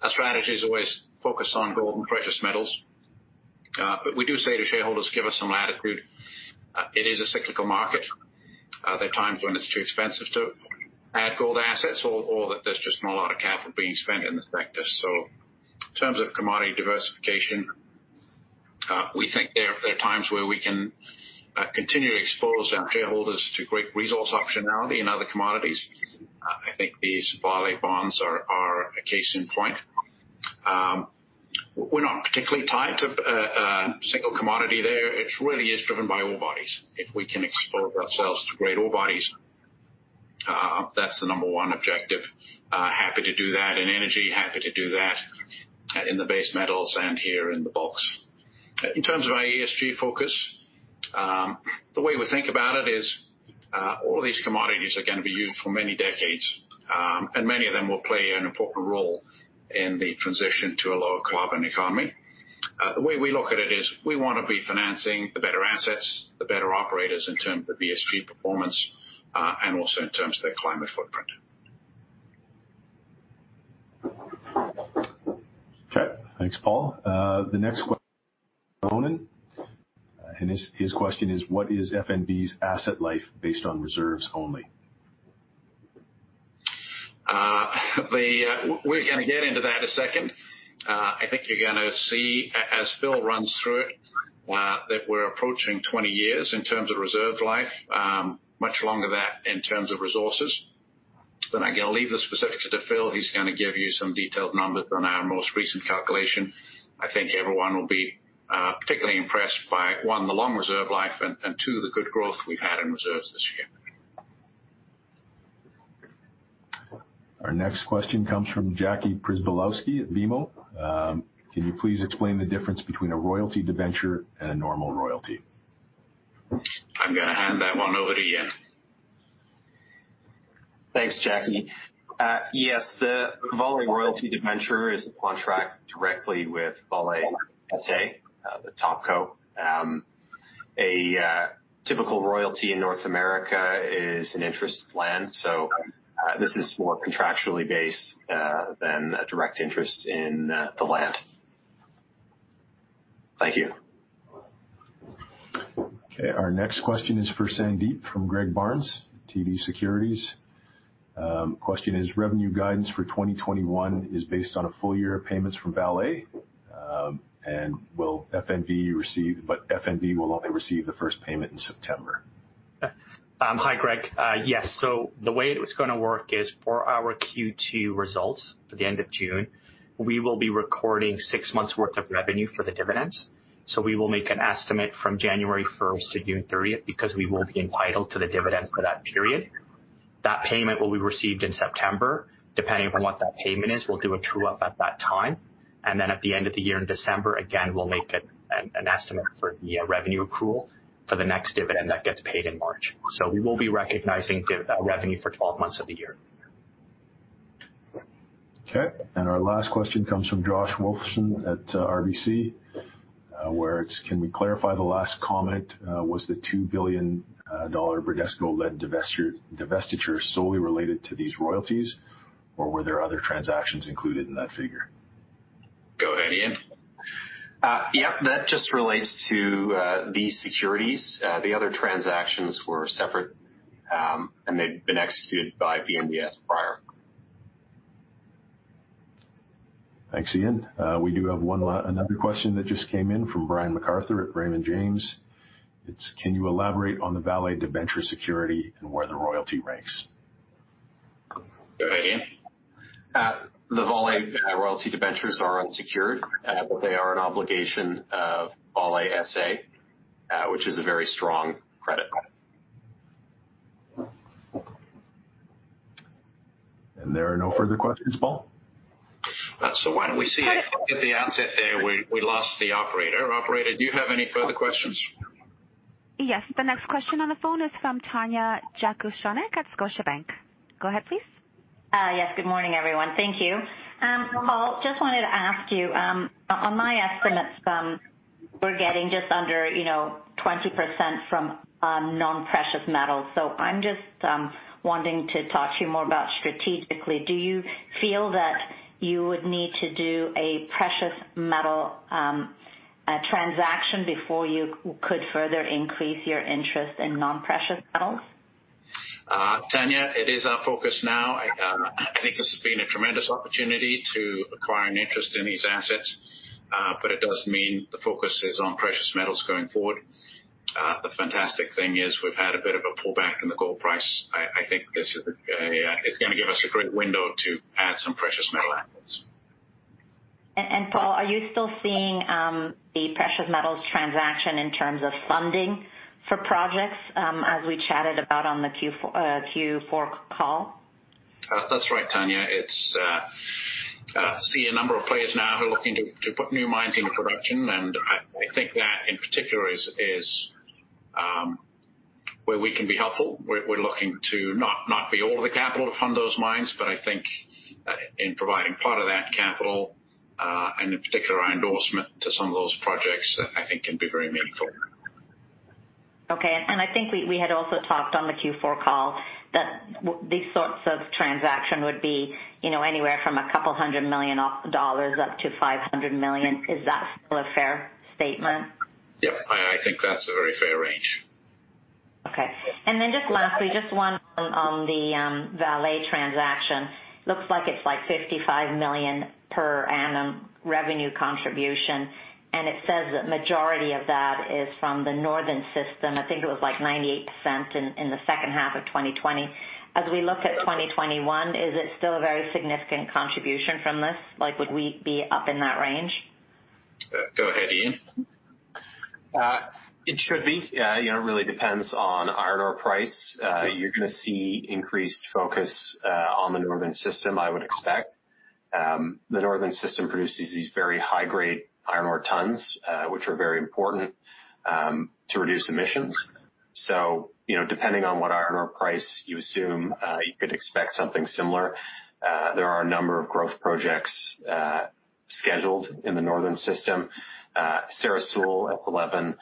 Speaker 2: Our strategy is always focused on gold and precious metals. We do say to shareholders, give us some latitude. It is a cyclical market. There are times when it's too expensive to add gold assets or that there's just not a lot of capital being spent in the sector. In terms of commodity diversification, we think there are times where we can continue to expose our shareholders to great resource optionality in other commodities. I think these Vale bonds are a case in point. We're not particularly tied to a single commodity there. It really is driven by ore bodies. If we can expose ourselves to great ore bodies, that's the Number 1 objective. Happy to do that in energy, happy to do that in the base metals and here in the box. In terms of our ESG focus, the way we think about it is, all of these commodities are going to be used for many decades. Many of them will play an important role in the transition to a low-carbon economy. The way we look at it is, we want to be financing the better assets, the better operators in terms of ESG performance, and also in terms of their climate footprint.
Speaker 3: Okay, thanks, Paul. The next question, Conan. His question is, "What is FNV's asset life based on reserves only?
Speaker 2: We're going to get into that a second. I think you're going to see, as Phil runs through it, that we're approaching 20 years in terms of reserve life, much longer than that in terms of resources. I'm going to leave the specifics to Phil, who's going to give you some detailed numbers on our most recent calculation. I think everyone will be particularly impressed by, one, the long reserve life, and two, the good growth we've had in reserves this year.
Speaker 3: Our next question comes from Jackie Przybylowski at BMO. Can you please explain the difference between a royalty debenture and a normal royalty?
Speaker 2: I'm going to hand that one over to you.
Speaker 5: Thanks, Jackie. Yes, the Vale royalty debenture is a contract directly with Vale S.A., the top co. A typical royalty in North America is an interest land, so this is more contractually based than a direct interest in the land. Thank you.
Speaker 3: Okay, our next question is for Sandip from Greg Barnes, TD Securities. Question is, "Revenue guidance for 2021 is based on a full year of payments from Vale, but FNV will only receive the first payment in September.
Speaker 5: Hi, Greg. Yes. The way it's going to work is for our Q2 results at the end of June, we will be recording six months' worth of revenue for the dividends. We will make an estimate from January 1st to June 30th, because we will be entitled to the dividends for that period. That payment will be received in September. Depending on what that payment is, we'll do a true-up at that time. At the end of the year in December, again, we'll make an estimate for the revenue accrual for the next dividend that gets paid in March. We will be recognizing revenue for 12 months of the year.
Speaker 3: Okay. Our last question comes from Josh Wolfson at RBC. Can we clarify the last comment? Was the $2 billion Bradesco-led divestiture solely related to these royalties, or were there other transactions included in that figure?
Speaker 2: Go ahead, Eaun.
Speaker 4: Yep. That just relates to these securities. The other transactions were separate. They'd been executed by BNDES prior.
Speaker 3: Thanks, Eaun. We do have another question that just came in from Brian MacArthur at Raymond James. It's, can you elaborate on the Vale debenture security and where the royalty ranks?
Speaker 2: Go ahead, Eaun.
Speaker 4: The Vale royalty debentures are unsecured, but they are an obligation of Vale S.A., which is a very strong credit.
Speaker 3: There are no further questions, Paul.
Speaker 2: Why don't we? At the outset there, we lost the operator. Operator, do you have any further questions?
Speaker 1: Yes. The next question on the phone is from Tanya Jakusconek at Scotiabank. Go ahead, please.
Speaker 7: Yes, good morning, everyone. Thank you. Paul, just wanted to ask you, on my estimates, we're getting just under 20% from non-precious metals. I'm just wanting to talk to you more about strategically, do you feel that you would need to do a precious metal transaction before you could further increase your interest in non-precious metals?
Speaker 2: Tanya, it is our focus now. I think this has been a tremendous opportunity to acquire an interest in these assets; it does mean the focus is on precious metals going forward. The fantastic thing is we've had a bit of a pullback in the gold price. I think this is going to give us a great window to add some precious metal assets.
Speaker 7: Paul, are you still seeing the precious metals transaction in terms of funding for projects, as we chatted about on the Q4 call?
Speaker 2: That's right, Tanya. I see a number of players now who are looking to put new mines into production. I think that in particular is where we can be helpful. We're looking to not be all the capital to fund those mines. I think in providing part of that capital, and in particular our endorsement to some of those projects, I think can be very meaningful.
Speaker 7: Okay. I think we had also talked on the Q4 call that these sorts of transaction would be anywhere from $200 million up to $500 million. Is that still a fair statement?
Speaker 2: Yep. I think that's a very fair range.
Speaker 7: Okay. Just lastly, just one on the Vale transaction. Looks like it's like $55 million per annum revenue contribution. It says that majority of that is from the Northern System. I think it was like 98% in the second half of 2020. We look at 2021, is it still a very significant contribution from this? Would we be up in that range?
Speaker 2: Go ahead, Eaun.
Speaker 4: It should be. It really depends on iron ore price. You're going to see increased focus on the Northern System, I would expect. The Northern System produces these very high-grade iron ore tons, which are very important to reduce emissions. Depending on what iron ore price you assume, you could expect something similar. There are a number of growth projects scheduled in the Northern System. Serra Sul S11D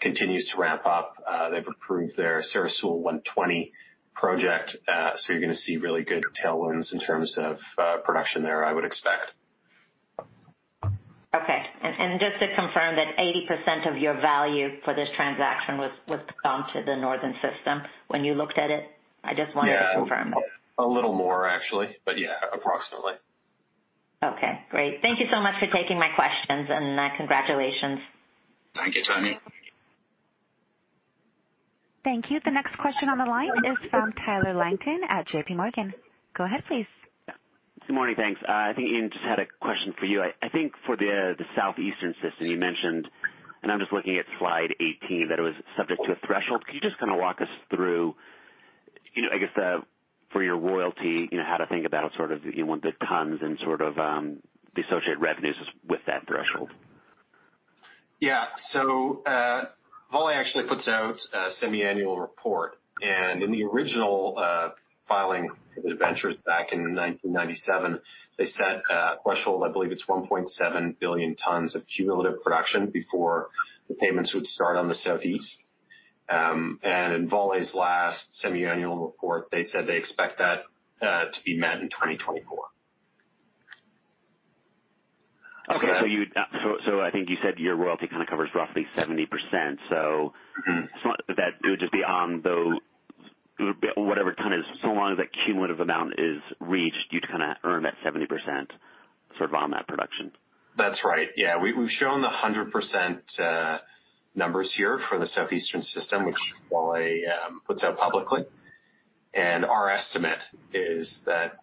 Speaker 4: continues to ramp up. They've approved their Serra Sul 120 project, so you're going to see really good tailwinds in terms of production there, I would expect.
Speaker 7: Okay. Just to confirm that 80% of your value for this transaction was bumped to the Northern System when you looked at it? I just wanted to confirm that.
Speaker 4: Yeah. A little more, actually. Yeah, approximately.
Speaker 7: Okay, great. Thank you so much for taking my questions, and congratulations.
Speaker 2: Thank you, Tanya.
Speaker 1: Thank you. The next question on the line is from Tyler Langton at J.P. Morgan. Go ahead, please.
Speaker 8: Good morning. Thanks. I think, Eaun, just had a question for you. I think for the Southeastern System you mentioned, and I'm just looking at Slide 18, that it was subject to a threshold. Can you just kind of walk us through, I guess, for your royalty, how to think about what sort of, you want the tons and sort of the associate revenues with that threshold?
Speaker 4: Yeah. Vale actually puts out a semiannual report, and in the original filing for the debentures back in 1997, they set a threshold, I believe it's 1.7 billion tons of cumulative production before the payments would start on the Southeast. In Vale's last semiannual report, they said they expect that to be met in 2024.
Speaker 8: Okay. I think you said your royalty kind of covers roughly 70%. Whatever ton is, so long as that cumulative amount is reached, you'd earn that 70% sort of on that production.
Speaker 4: That's right, yeah. We've shown the 100% numbers here for the Southeastern System, which Vale puts out publicly. Our estimate is that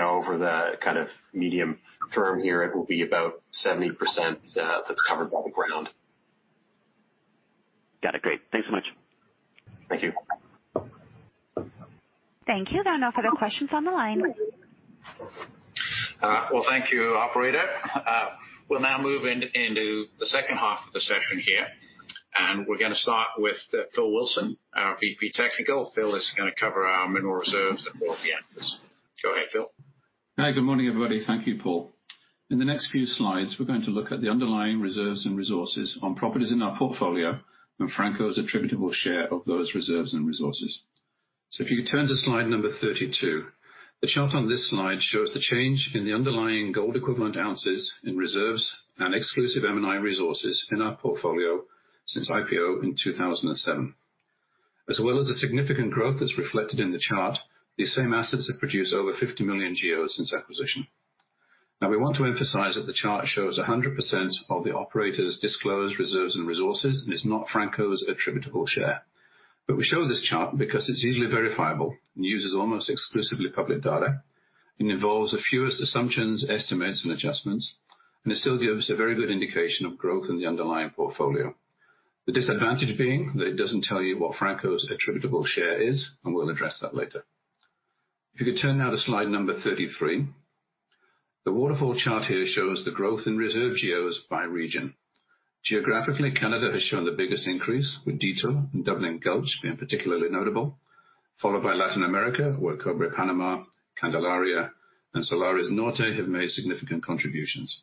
Speaker 4: over the kind of medium term here, it will be about 70% that's covered by the ground.
Speaker 8: Got it. Great. Thanks so much.
Speaker 4: Thank you.
Speaker 1: Thank you. There are no further questions on the line.
Speaker 2: Well, thank you, operator. We'll now move into the second half of the session here. We're going to start with Phil Wilson, our VP Technical. Phil is going to cover our mineral reserves and royalty ounces. Go ahead, Phil.
Speaker 9: Hi. Good morning, everybody. Thank you, Paul. In the next few slides, we're going to look at the underlying reserves and resources on properties in our portfolio and Franco's attributable share of those reserves and resources. If you could turn to Slide 32. The chart on this slide shows the change in the underlying gold equivalent ounces in reserves and exclusive M&I resources in our portfolio since IPO in 2007. As well as the significant growth that's reflected in the chart, these same assets have produced over 50 million GEOs since acquisition. We want to emphasize that the chart shows 100% of the operator's disclosed reserves and resources, and it's not Franco's attributable share. We show this chart because it's easily verifiable and uses almost exclusively public data, and involves the fewest assumptions, estimates, and adjustments, and it still gives a very good indication of growth in the underlying portfolio. The disadvantage being that it doesn't tell you what Franco's attributable share is, and we'll address that later. If you could turn now to Slide 33. The waterfall chart here shows the growth in reserve GEOs by region. Geographically, Canada has shown the biggest increase, with Detour and Dublin Gulch being particularly notable, followed by Latin America, where Cobre Panamá, Candelaria, and Salares Norte have made significant contributions.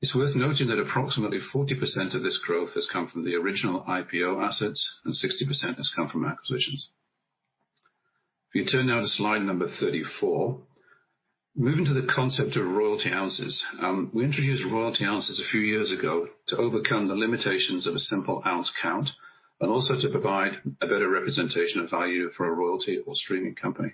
Speaker 9: It's worth noting that approximately 40% of this growth has come from the original IPO assets and 60% has come from acquisitions. If you turn now to Slide 34, moving to the concept of royalty ounces. We introduced royalty ounces a few years ago to overcome the limitations of a simple ounce count, and also to provide a better representation of value for a royalty or streaming company.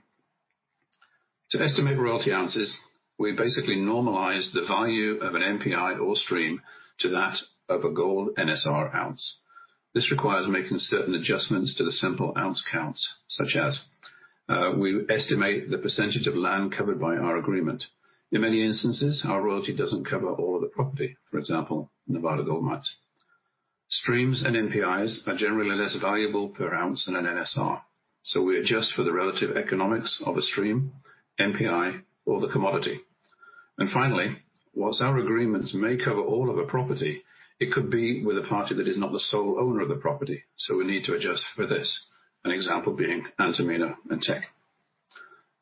Speaker 9: To estimate royalty ounces, we basically normalize the value of an MPI or stream to that of a gold NSR ounce. This requires making certain adjustments to the simple ounce counts, such as, we estimate the percentage of land covered by our agreement. In many instances, our royalty doesn't cover all of the property. For example, Nevada Gold Mines. Streams and MPIs are generally less valuable per ounce than an NSR, so we adjust for the relative economics of a stream, MPI, or the commodity. Finally, whilst our agreements may cover all of a property, it could be with a party that is not the sole owner of the property, so we need to adjust for this, an example being Antamina and Teck.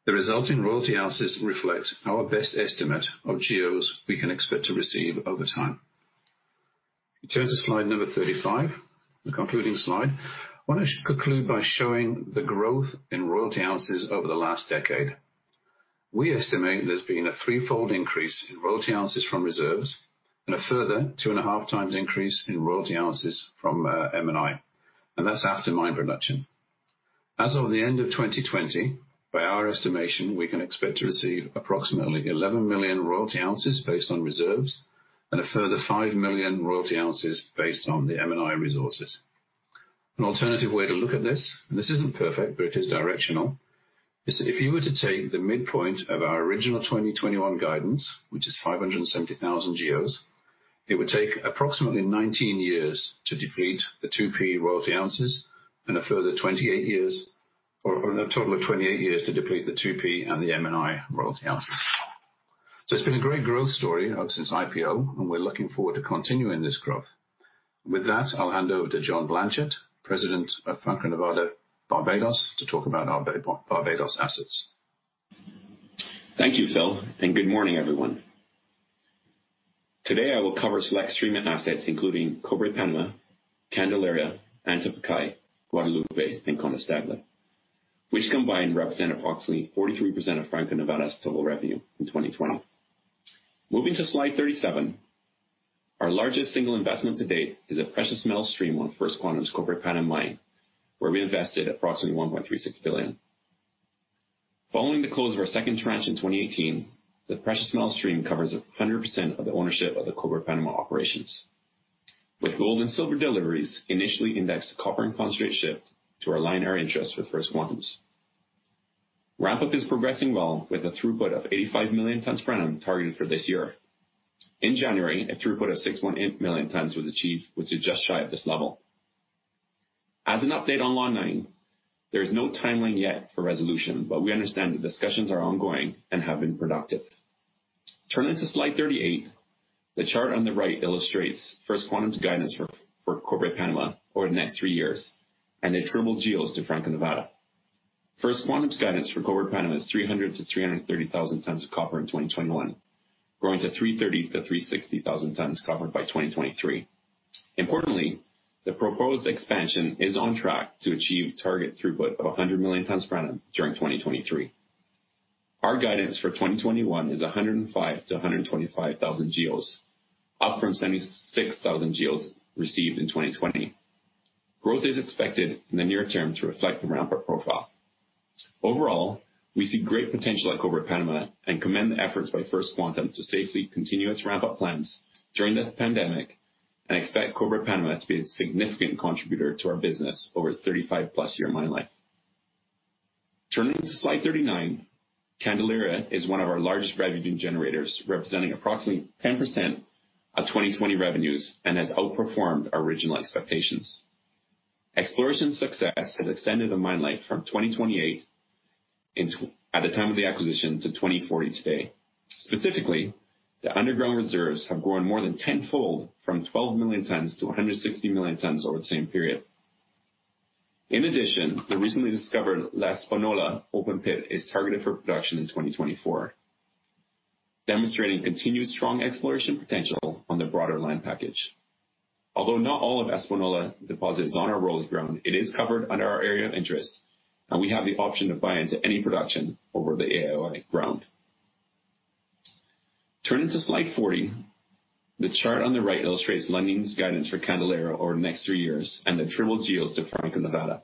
Speaker 9: The resulting royalty ounces reflect our best estimate of GEOs we can expect to receive over time. If you turn to Slide 35, the concluding slide. I want to conclude by showing the growth in royalty ounces over the last decade. We estimate there's been a threefold increase in royalty ounces from reserves and a further two and a half times increase in royalty ounces from M&A, and that's after mine production. As of the end of 2020, by our estimation, we can expect to receive approximately 11 million royalty ounces based on reserves and a further 5 million royalty ounces based on the M&A resources. An alternative way to look at this, and this isn't perfect, but it is directional, is if you were to take the midpoint of our original 2021 guidance, which is 570,000 GEOs, it would take approximately 19 years to deplete the 2P royalty ounces and a total of 28 years to deplete the 2P and the M&I royalty ounces. It's been a great growth story since IPO, and we're looking forward to continuing this growth. With that, I'll hand over to John Blanchette, President of Franco-Nevada Barbados, to talk about our Barbados assets.
Speaker 10: Thank you, Phil, good morning, everyone. Today, I will cover select streaming assets including Cobre Panamá, Candelaria, Antamina, Guadalupe, and Condestable. Which combined represent approximately 43% of Franco-Nevada's total revenue in 2020. Moving to Slide 37. Our largest single investment to date is a precious metal stream on First Quantum's Cobre Panamá mine, where we invested approximately $1.36 billion. Following the close of our second tranche in 2018, the precious metal stream covers 100% of the ownership of the Cobre Panamá operations. With gold and silver deliveries initially indexed to copper and concentrate shipped to align our interests with First Quantum's. Ramp-up is progressing well with a throughput of 85 million tons per annum targeted for this year. In January, a throughput of 6.8 million tons was achieved, which is just shy of this level. As an update on Law 9, there is no timeline yet for resolution, but we understand that discussions are ongoing and have been productive. Turning to Slide 38. The chart on the right illustrates First Quantum's guidance for Cobre Panama over the next three years and the attributable GEOs to Franco-Nevada. First Quantum's guidance for Cobre Panama is 300,000 to 330,000 tons of copper in 2021, growing to 330,000 to 360,000 tons covered by 2023. Importantly, the proposed expansion is on track to achieve target throughput of 100 million tons per annum during 2023. Our guidance for 2021 is 105,000 to 125,000 GEOs, up from 76,000 GEOs received in 2020. Growth is expected in the near term to reflect the ramp-up profile. Overall, we see great potential at Cobre Panama and commend the efforts by First Quantum to safely continue its ramp-up plans during the pandemic and expect Cobre Panama to be a significant contributor to our business over its 35-plus year mine life. Turning to Slide 39. Candelaria is one of our largest revenue generators, representing approximately 10% of 2020 revenues and has outperformed our original expectations. Exploration success has extended the mine life from 2028 at the time of the acquisition to 2040 today. Specifically, the underground reserves have grown more than tenfold from 12 million tons to 160 million tons over the same period. In addition, the recently discovered La Española open pit is targeted for production in 2024, demonstrating continued strong exploration potential on the broader line package. Although not all of La Española deposit is on our rolling ground, it is covered under our area of interest, and we have the option to buy into any production over the AOI ground. Turning to Slide 40, the chart on the right illustrates Lundin's guidance for Candelaria over the next three years and the tripled GEOs to Franco-Nevada.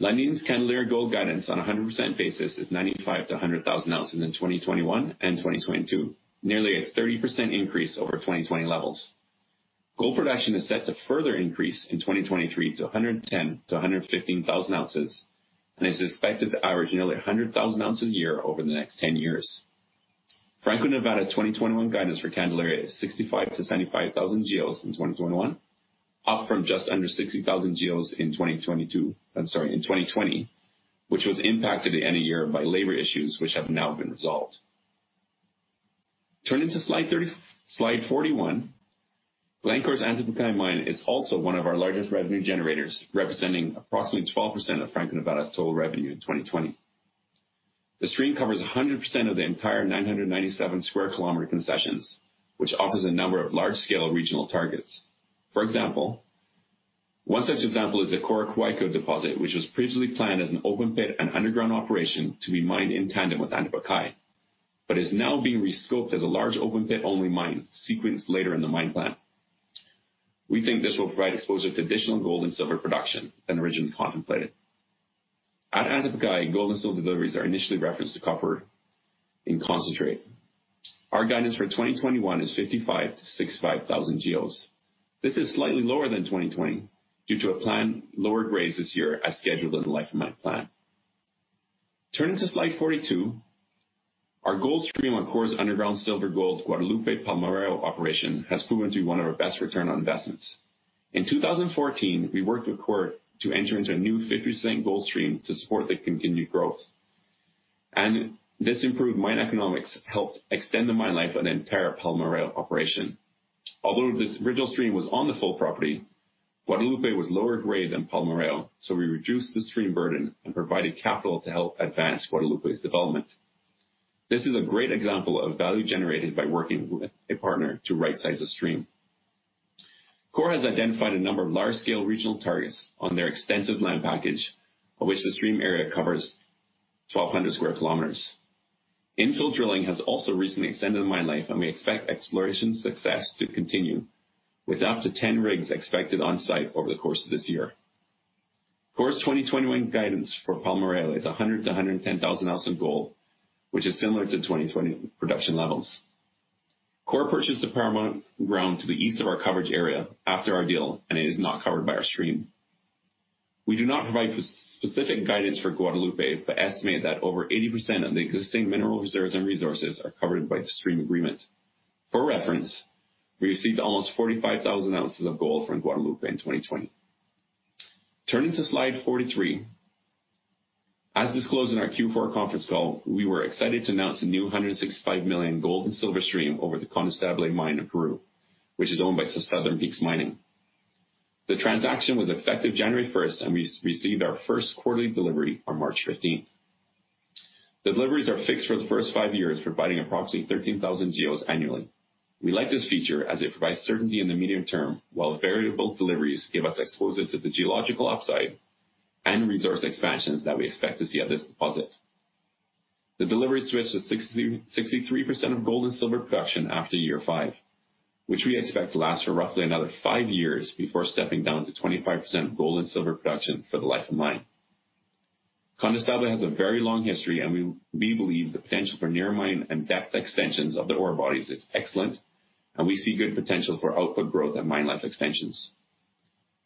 Speaker 10: Lundin's Candelaria gold guidance on 100% basis is 95,000-100,000 ounces in 2021 and 2022, nearly a 30% increase over 2020 levels. Gold production is set to further increase in 2023 to 110,000-115,000 ounces and is expected to average nearly 100,000 ounces a year over the next 10 years. Franco-Nevada 2021 guidance for Candelaria is 65,000-75,000 GEOs in 2021, up from just under 60,000 GEOs in 2020, which was impacted at any year by labor issues which have now been resolved. Turning to Slide 41. Glencore's Antamina mine is also one of our largest revenue generators, representing approximately 12% of Franco-Nevada's total revenue in 2020. The stream covers 100% of the entire 997 sq km concessions, which offers a number of large scale regional targets. One such example is the Corihuarmi deposit, which was previously planned as an open pit and underground operation to be mined in tandem with Antamina, but is now being re-scoped as a large open pit only mine sequenced later in the mine plan. We think this will provide exposure to additional gold and silver production than originally contemplated. At Antamina, gold and silver deliveries are initially referenced to copper in concentrate. Our guidance for 2021 is 55,000-65,000 GEOs. This is slightly lower than 2020 due to a planned lower grade this year as scheduled in the life of mine plan. Turning to Slide 42. Our gold stream on Coeur's underground silver gold Guadalupe Palmarejo operation has proven to be one of our best return on investments. In 2014, we worked with Coeur to enter into a new 50% gold stream to support the continued growth. This improved mine economics helped extend the mine life on the entire Palmarejo operation. Although this original stream was on the full property, Guadalupe was lower grade than Palmarejo, we reduced the stream burden and provided capital to help advance Guadalupe's development. This is a great example of value generated by working with a partner to rightsizing a stream. Coeur has identified a number of large-scale regional targets on their extensive land package, of which the stream area covers 1,200 sq km. Infill drilling has also recently extended the mine life. We expect exploration success to continue with up to 10 rigs expected on site over the course of this year. Coeur's 2021 guidance for Palmarejo is 100,000 to 110,000 ounces of gold, which is similar to 2020 production levels. Coeur purchased the paramount ground to the east of our coverage area after our deal. It is not covered by our stream. We do not provide specific guidance for Guadalupe, but estimate that over 80% of the existing mineral reserves and resources are covered by the stream agreement. For reference, we received almost 45,000 ounces of gold from Guadalupe in 2020. Turning to Slide 43. As disclosed in our Q4 conference call, we were excited to announce a new $165 million gold and silver stream over the Condestable mine in Peru, which is owned by Southern Peaks Mining. The transaction was effective January 1st, and we received our first quarterly delivery on March 15th. The deliveries are fixed for the first five years, providing approximately 13,000 GEOs annually. We like this feature as it provides certainty in the medium term, while variable deliveries give us exposure to the geological upside and resource expansions that we expect to see at this deposit. The deliveries switch to 63% of gold and silver production after year five, which we expect to last for roughly another five years before stepping down to 25% gold and silver production for the life of mine. Condestable has a very long history, and we believe the potential for near mine and depth extensions of the ore bodies is excellent, and we see good potential for output growth and mine life extensions.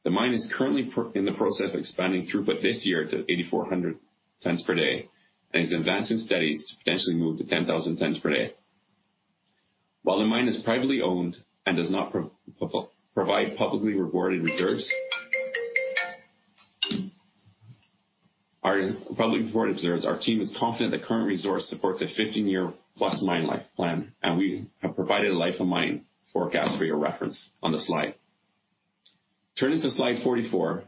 Speaker 10: The mine is currently in the process of expanding throughput this year to 8,400 tons per day and is advancing studies to potentially move to 10,000 tons per day. While the mine is privately owned and does not provide publicly reported reserves, our team is confident the current resource supports a 15-year plus mine life plan, and we have provided a life of mine forecast for your reference on the slide. Turning to Slide 44,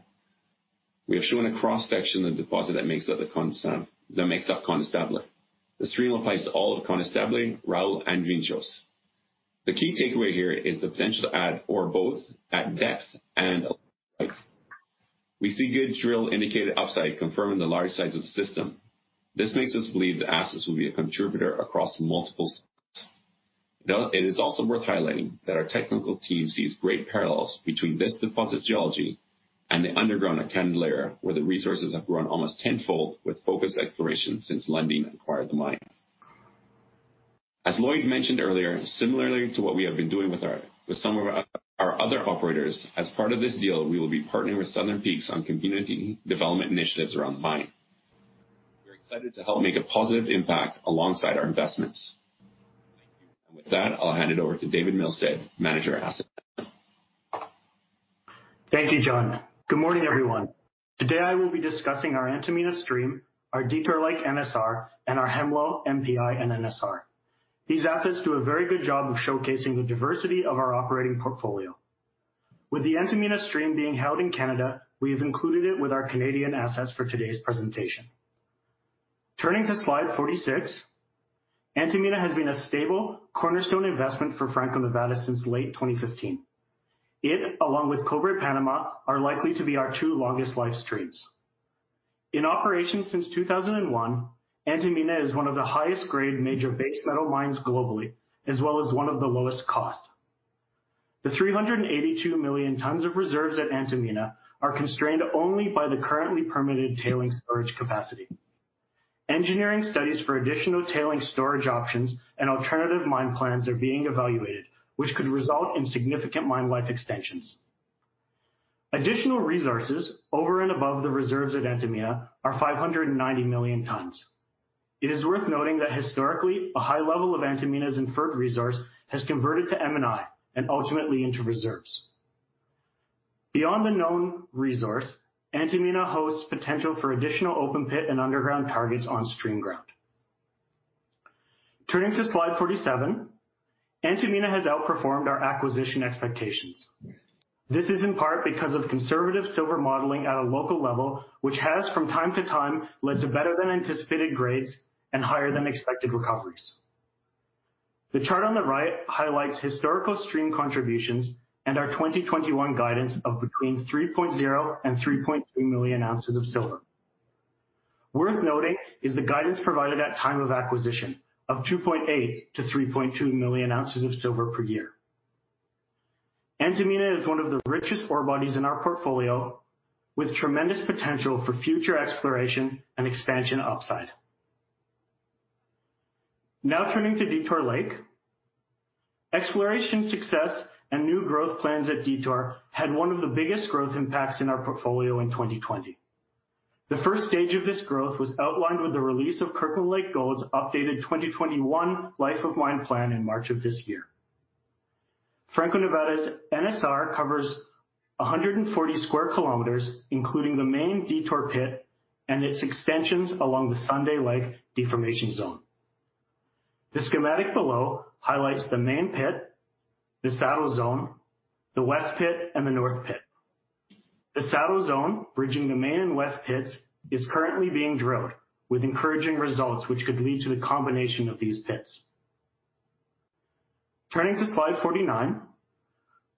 Speaker 10: we have shown a cross section of the deposit that makes up Condestable. The stream applies to all of Condestable, Raúl, and Rinchos. The key takeaway here is the potential to add ore both at depth and. We see good drill indicated upside confirming the large size of the system. This makes us believe the assets will be a contributor across multiple. It is also worth highlighting that our technical team sees great parallels between this deposit geology and the underground at Candelaria, where the resources have grown almost tenfold with focused exploration since Lundin acquired the mine. As Lloyd mentioned earlier, similarly to what we have been doing with some of our other operators, as part of this deal, we will be partnering with Southern Peaks on community development initiatives around the mine. We're excited to help make a positive impact alongside our investments. With that, I'll hand it over to David Milstead, Manager of Assets.
Speaker 11: Thank you, John. Good morning, everyone. Today I will be discussing our Antamina stream, our Detour Lake NSR, and our Hemlo NPI and NSR. These assets do a very good job of showcasing the diversity of our operating portfolio. With the Antamina stream being held in Canada, we have included it with our Canadian assets for today's presentation. Turning to Slide 46, Antamina has been a stable, cornerstone investment for Franco-Nevada since late 2015. It, along with Cobre Panama, are likely to be our two longest life streams. In operation since 2001, Antamina is one of the highest grade major base metal mines globally, as well as one of the lowest cost. The 382 million tons of reserves at Antamina are constrained only by the currently permitted tailings storage capacity. Engineering studies for additional tailings storage options and alternative mine plans are being evaluated, which could result in significant mine life extensions. Additional resources over and above the reserves at Antamina are 590 million tons. It is worth noting that historically, a high level of Antamina's inferred resource has converted to M&I and ultimately into reserves. Beyond the known resource, Antamina hosts potential for additional open pit and underground targets on stream ground. Turning to Slide 47, Antamina has outperformed our acquisition expectations. This is in part because of conservative silver modeling at a local level, which has, from time to time, led to better than anticipated grades and higher than expected recoveries. The chart on the right highlights historical stream contributions and our 2021 guidance of between 3.0 and 3.3 million ounces of silver. Worth noting is the guidance provided at time of acquisition of 2.8 million-3.2 million ounces of silver per year. Antamina is one of the richest ore bodies in our portfolio, with tremendous potential for future exploration and expansion upside. Now turning to Detour Lake. Exploration success and new growth plans at Detour had one of the biggest growth impacts in our portfolio in 2020. The first stage of this growth was outlined with the release of Kirkland Lake Gold's updated 2021 Life of Mine plan in March of this year. Franco-Nevada's NSR covers 140 square kilometers, including the main Detour pit and its extensions along the Sunday Lake deformation zone. The schematic below highlights the main pit, the saddle zone, the west pit, and the north pit. The saddle zone, bridging the main and west pits, is currently being drilled with encouraging results which could lead to the combination of these pits. Turning to Slide 49,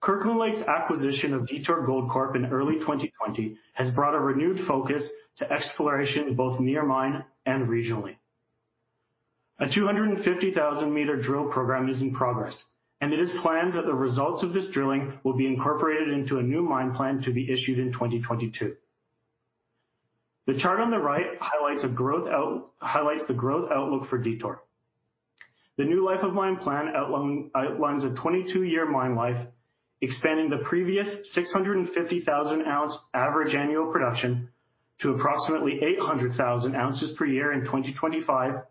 Speaker 11: Kirkland Lake's acquisition of Detour Gold Corp in early 2020 has brought a renewed focus to exploration both near mine and regionally. It is planned that the results of this drilling will be incorporated into a new mine plan to be issued in 2022. The chart on the right highlights the growth outlook for Detour. The new life of mine plan outlines a 22-year mine life, expanding the previous 650,000 ounce average annual production to approximately 800,000 ounces per year in 2025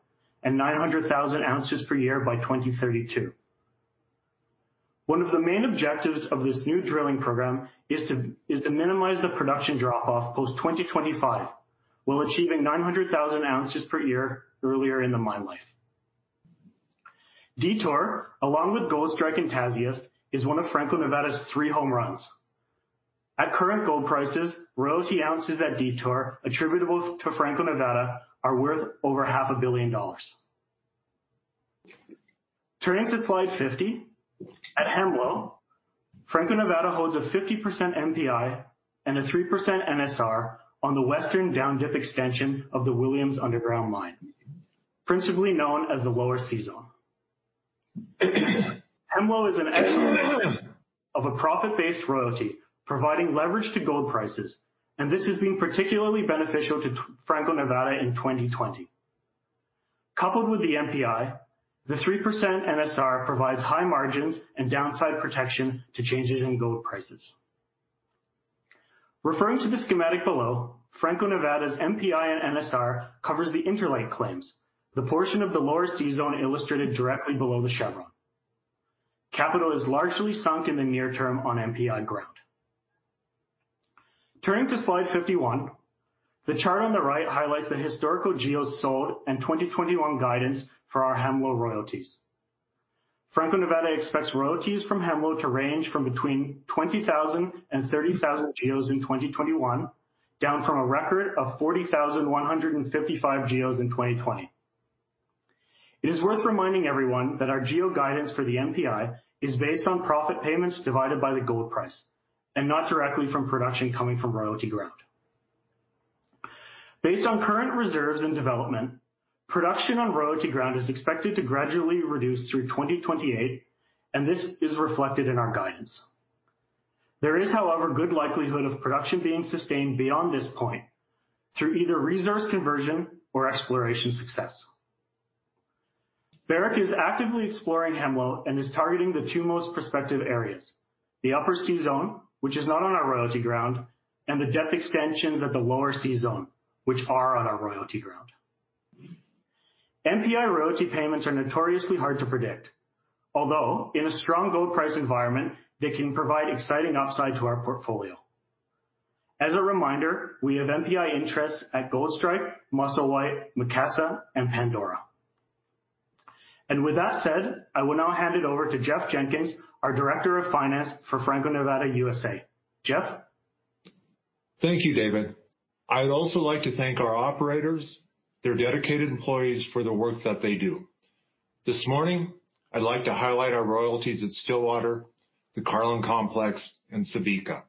Speaker 11: and 900,000 ounces per year by 2032. One of the main objectives of this new drilling program is to minimize the production drop-off post-2025 while achieving 900,000 ounces per year earlier in the mine life. Detour, along with Goldstrike and Tasiast, is one of Franco-Nevada's three home runs. At current gold prices, royalty ounces at Detour attributable to Franco-Nevada are worth over half a billion CAD. Turning to Slide 50, at Hemlo, Franco-Nevada holds a 50% NPI and a 3% NSR on the western down dip extension of the Williams underground mine, principally known as the Lower C Zone. Hemlo is an example of a profit-based royalty providing leverage to gold prices, and this has been particularly beneficial to Franco-Nevada in 2020. Coupled with the NPI, the 3% NSR provides high margins and downside protection to changes in gold prices. Referring to the schematic below, Franco-Nevada's NPI and NSR covers the Interlake claims, the portion of the Lower C Zone illustrated directly below the chevron. Capital is largely sunk in the near term on NPI ground. Turning to Slide 51, the chart on the right highlights the historical GEOs sold and 2021 guidance for our Hemlo royalties. Franco-Nevada expects royalties from Hemlo to range from between 20,000 and 30,000 GEOs in 2021, down from a record of 40,155 GEOs in 2020. It is worth reminding everyone that our GEO guidance for the NPI is based on profit payments divided by the gold price and not directly from production coming from royalty ground. Based on current reserves and development, production on royalty ground is expected to gradually reduce through 2028, and this is reflected in our guidance. There is, however, good likelihood of production being sustained beyond this point through either resource conversion or exploration success. Barrick is actively exploring Hemlo and is targeting the two most prospective areas. The upper C zone, which is not on our royalty ground, and the depth extensions at the lower C zone, which are on our royalty ground. NPI royalty payments are notoriously hard to predict. In a strong gold price environment, they can provide exciting upside to our portfolio. As a reminder, we have NPI interests at GoldStrike, Musselwhite, Macassa, and Pandora. With that said, I will now hand it over to Jeff Jenkins, our Director of Finance for Franco-Nevada U.S.A. Jeff?
Speaker 12: Thank you, David. I'd also like to thank our operators, their dedicated employees for the work that they do. This morning, I'd like to highlight our royalties at Stillwater, the Carlin Complex, and Subika.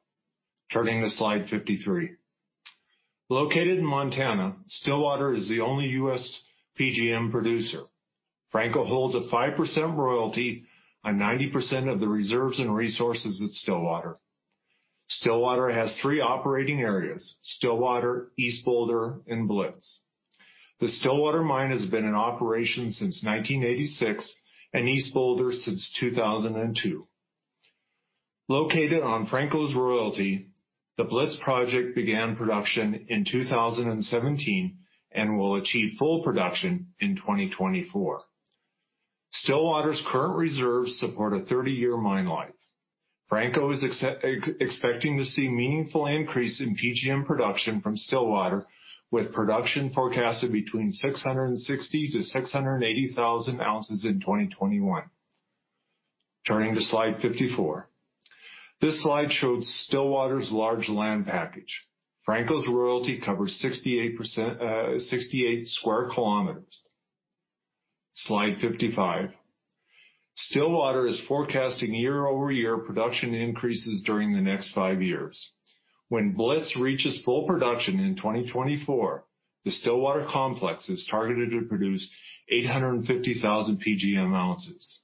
Speaker 12: Turning to Slide 53. Located in Montana, Stillwater is the only U.S. PGM producer. Franco holds a 5% royalty on 90% of the reserves and resources at Stillwater. Stillwater has three operating areas, Stillwater, East Boulder, and Blitz. The Stillwater Mine has been in operation since 1986, and East Boulder since 2002. Located on Franco's royalty, the Blitz project began production in 2017 and will achieve full production in 2024. Stillwater's current reserves support a 30-year mine life. Franco is expecting to see meaningful increase in PGM production from Stillwater, with production forecasted between 660,000-680,000 ounces in 2021. Turning to Slide 54. This slide shows Stillwater's large land package. Franco's royalty covers 68 sq km. Slide 55. Stillwater is forecasting year-over-year production increases during the next five years. When Blitz reaches full production in 2024, the Stillwater complex is targeted to produce 850,000 PGM ounces.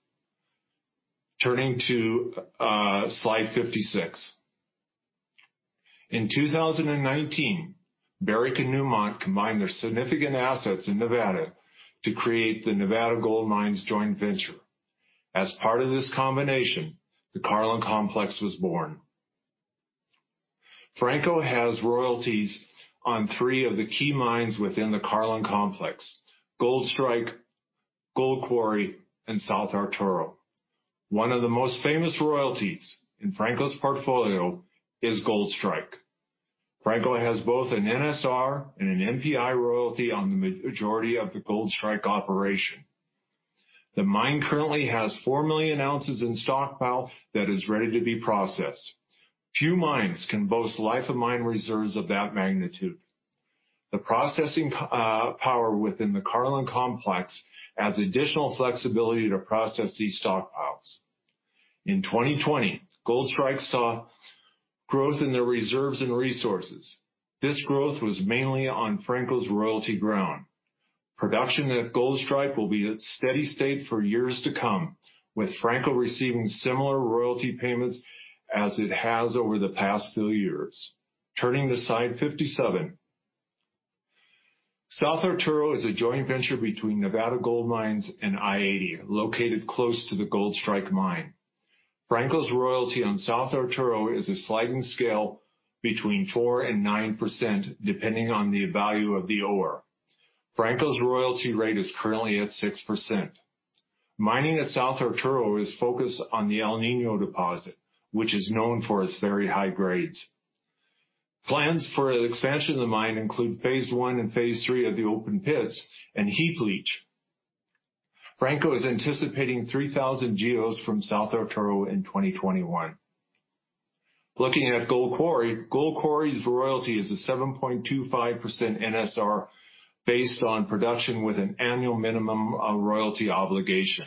Speaker 12: Turning to Slide 56. In 2019, Barrick and Newmont combined their significant assets in Nevada to create the Nevada Gold Mines joint venture. As part of this combination, the Carlin Complex was born. Franco has royalties on three of the key mines within the Carlin Complex: GoldStrike, Gold Quarry, and South Arturo. One of the most famous royalties in Franco's portfolio is GoldStrike. Franco has both an NSR and an NPI royalty on the majority of the GoldStrike operation. The mine currently has 4 million ounces in stockpile that is ready to be processed. Few mines can boast life of mine reserves of that magnitude. The processing power within the Carlin Complex adds additional flexibility to process these stockpiles. In 2020, GoldStrike saw growth in their reserves and resources. This growth was mainly on Franco-Nevada's royalty ground. Production at GoldStrike will be at steady state for years to come, with Franco-Nevada receiving similar royalty payments as it has over the past few years. Turning to Slide 57. South Arturo is a joint venture between Nevada Gold Mines and i-80, located close to the GoldStrike Mine. Franco-Nevada's royalty on South Arturo is a sliding scale between 4% and 9%, depending on the value of the ore. Franco-Nevada's royalty rate is currently at 6%. Mining at South Arturo is focused on the El Niño deposit, which is known for its very high grades. Plans for expansion of the mine include phase I and phase III of the open pits and heap leach. Franco is anticipating 3,000 GEOs from South Arturo in 2021. Looking at Gold Quarry. Gold Quarry's royalty is a 7.25% NSR based on production with an annual minimum royalty obligation.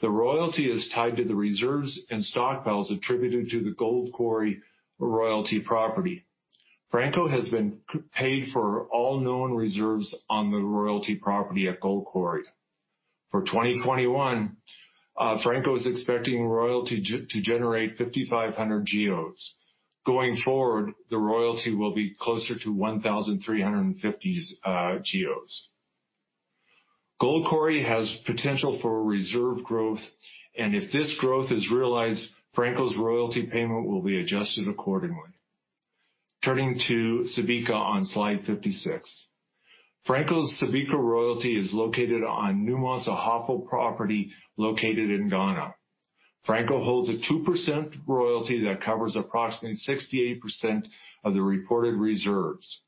Speaker 12: The royalty is tied to the reserves and stockpiles attributed to the Gold Quarry royalty property. Franco has been paid for all known reserves on the royalty property at Gold Quarry. For 2021, Franco is expecting royalty to generate 5,500 GEOs. Going forward, the royalty will be closer to 1,350 GEOs. Gold Quarry has potential for reserve growth, and if this growth is realized, Franco's royalty payment will be adjusted accordingly. Turning to Subika on Slide 56. Franco's Subika royalty is located on Newmont's Ahafo mine property located in Ghana. Franco holds a 2% royalty that covers approximately 68% of the reported reserves.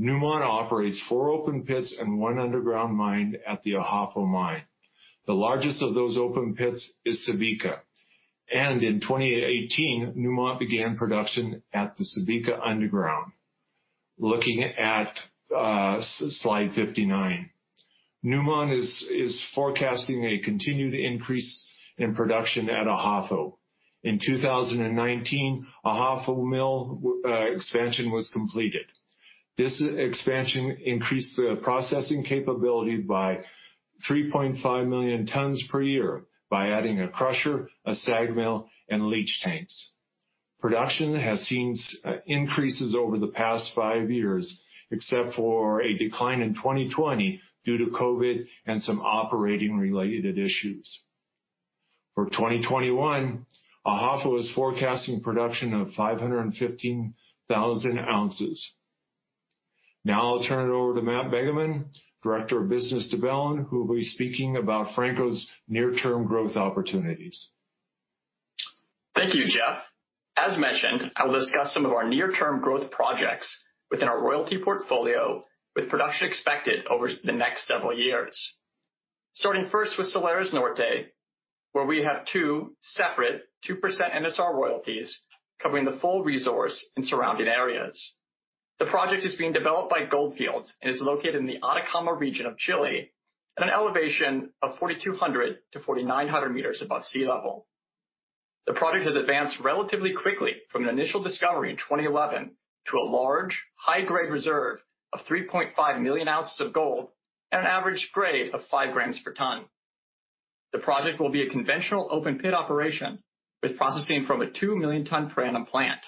Speaker 12: Newmont operates four open pits and one underground mine at the Ahafo mine. The largest of those open pits is Subika, and in 2018, Newmont began production at the Subika underground. Looking at Slide 59. Newmont is forecasting a continued increase in production at Ahafo. In 2019, Ahafo mill expansion was completed. This expansion increased the processing capability by 3.5 million tons per year by adding a crusher, a SAG mill, and leach tanks. Production has seen increases over the past five years, except for a decline in 2020 due to COVID and some operating-related issues. For 2021, Ahafo is forecasting production of 515,000 ounces. I'll turn it over to Matt Begeman, Director of Business Development, who will be speaking about Franco's near-term growth opportunities.
Speaker 13: Thank you, Jeff. As mentioned, I will discuss some of our near-term growth projects within our royalty portfolio with production expected over the next several years. Starting first with Salares Norte, where we have two separate 2% NSR royalties covering the full resource in surrounding areas. The project is being developed by Gold Fields and is located in the Atacama Region of Chile at an elevation of 4,200 to 4,900 meters above sea level. The project has advanced relatively quickly from the initial discovery in 2011 to a large, high-grade reserve of 3.5 million ounces of gold at an average grade of five grams per ton. The project will be a conventional open pit operation with processing from a two million ton per annum plant.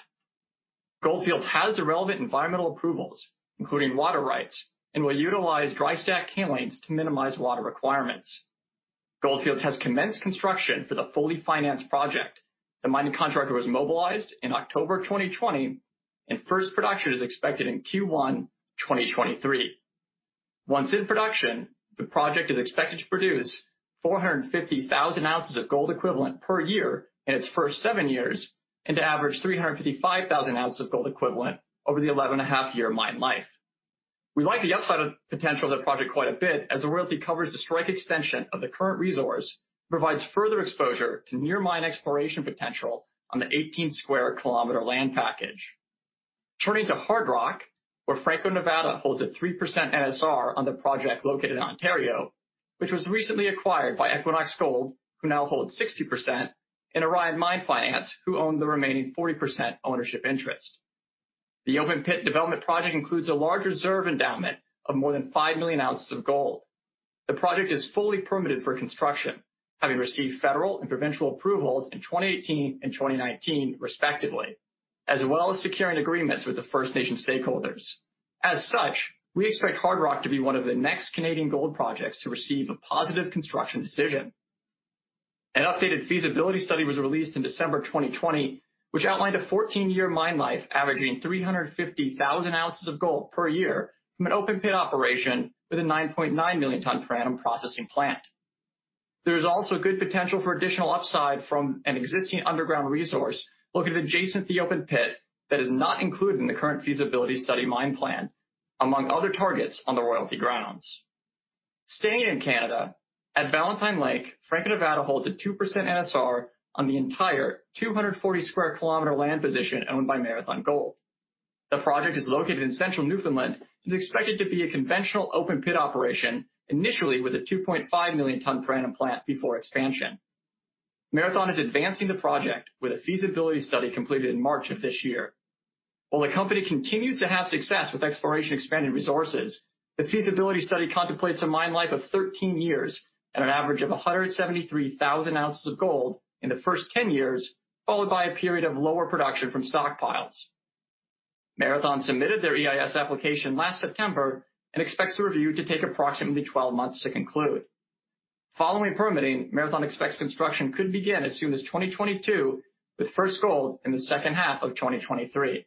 Speaker 13: Gold Fields has the relevant environmental approvals, including water rights, and will utilize dry stack tailings to minimize water requirements. Gold Fields has commenced construction for the fully financed project. The mining contractor was mobilized in October 2020, and first production is expected in Q1 2023. Once in production, the project is expected to produce 450,000 ounces of gold equivalent per year in its first seven years, and to average 355,000 ounces of gold equivalent over the 11 and a half year mine life. Turning to Hardrock, where Franco-Nevada holds a 3% NSR on the project located in Ontario, which was recently acquired by Equinox Gold, who now holds 60%, and Orion Mine Finance, who own the remaining 40% ownership interest. The open pit development project includes a large reserve endowment of more than 5 million ounces of gold. The project is fully permitted for construction, having received federal and provincial approvals in 2018 and 2019 respectively, as well as securing agreements with the First Nation stakeholders. As such, we expect Hardrock to be one of the next Canadian gold projects to receive a positive construction decision. An updated feasibility study was released in December 2020, which outlined a 14-year mine life averaging 350,000 ounces of gold per year from an open pit operation with a 9.9 million ton per annum processing plant. There is also good potential for additional upside from an existing underground resource located adjacent to the open pit that is not included in the current feasibility study mine plan, among other targets on the royalty grounds. Staying in Canada at Valentine Lake, Franco-Nevada holds a 2% NSR on the entire 240 square kilometer land position owned by Marathon Gold. The project is located in central Newfoundland and is expected to be a conventional open pit operation, initially with a 2.5 million ton per annum plant before expansion. Marathon is advancing the project with a feasibility study completed in March of this year. While the company continues to have success with exploration expanding resources, the feasibility study contemplates a mine life of 13 years at an average of 173,000 ounces of gold in the first 10 years, followed by a period of lower production from stockpiles. Marathon submitted their EIS application last September and expects the review to take approximately 12 months to conclude. Following permitting, Marathon expects construction could begin as soon as 2022, with first gold in the second half of 2023.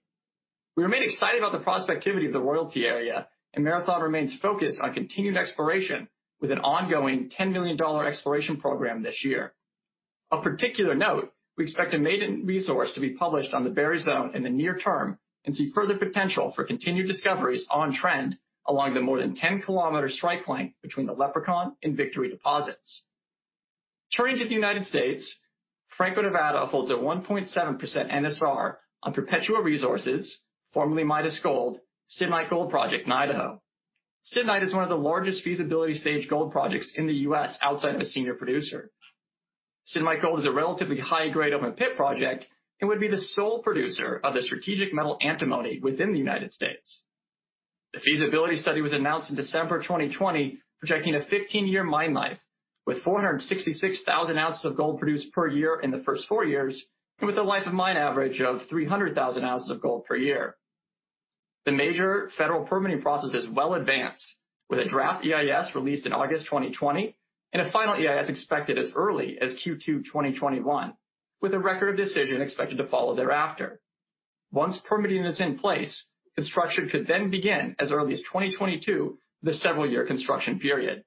Speaker 13: We remain excited about the prospectivity of the royalty area. Marathon remains focused on continued exploration with an ongoing $10 million exploration program this year. Of particular note, we expect a maiden resource to be published on the Berry Zone in the near term and see further potential for continued discoveries on trend along the more than 10-kilometer strike length between the Leprechaun and Victory deposits. Turning to the U.S., Franco-Nevada holds a 1.7% NSR on Perpetua Resources, formerly Midas Gold, Stibnite Gold Project in Idaho. Stibnite is one of the largest feasibility stage gold projects in the U.S. outside of a senior producer. Stibnite Gold is a relatively high-grade open pit project and would be the sole producer of the strategic metal antimony within the U.S. The feasibility study was announced in December 2020, projecting a 15-year mine life with 466,000 ounces of gold produced per year in the first four years, and with a life of mine average of 300,000 ounces of gold per year. The major federal permitting process is well advanced, with a draft EIS released in August 2020 and a final EIS expected as early as Q2 2021, with a record of decision expected to follow thereafter. Once permitting is in place, construction could then begin as early as 2022, with a several-year construction period.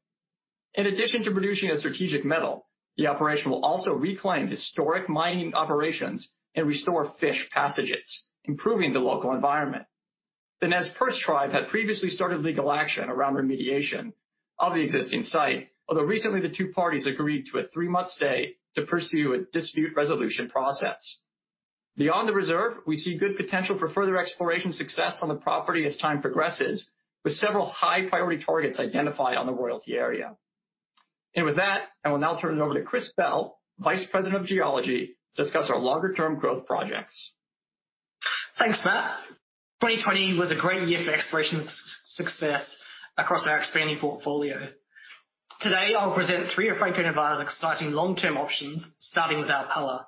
Speaker 13: In addition to producing a strategic metal, the operation will also reclaim historic mining operations and restore fish passages, improving the local environment. The Nez Perce tribe had previously started legal action around remediation of the existing site, although recently the two parties agreed to a three-month stay to pursue a dispute resolution process. Beyond the reserve, we see good potential for further exploration success on the property as time progresses, with several high-priority targets identified on the royalty area. With that, I will now turn it over to Chris Bell, Vice President of Geology, to discuss our longer-term growth projects.
Speaker 14: Thanks, Matt. 2020 was a great year for exploration success across our expanding portfolio. Today, I'll present three of Franco-Nevada's exciting long-term options, starting with Alpala.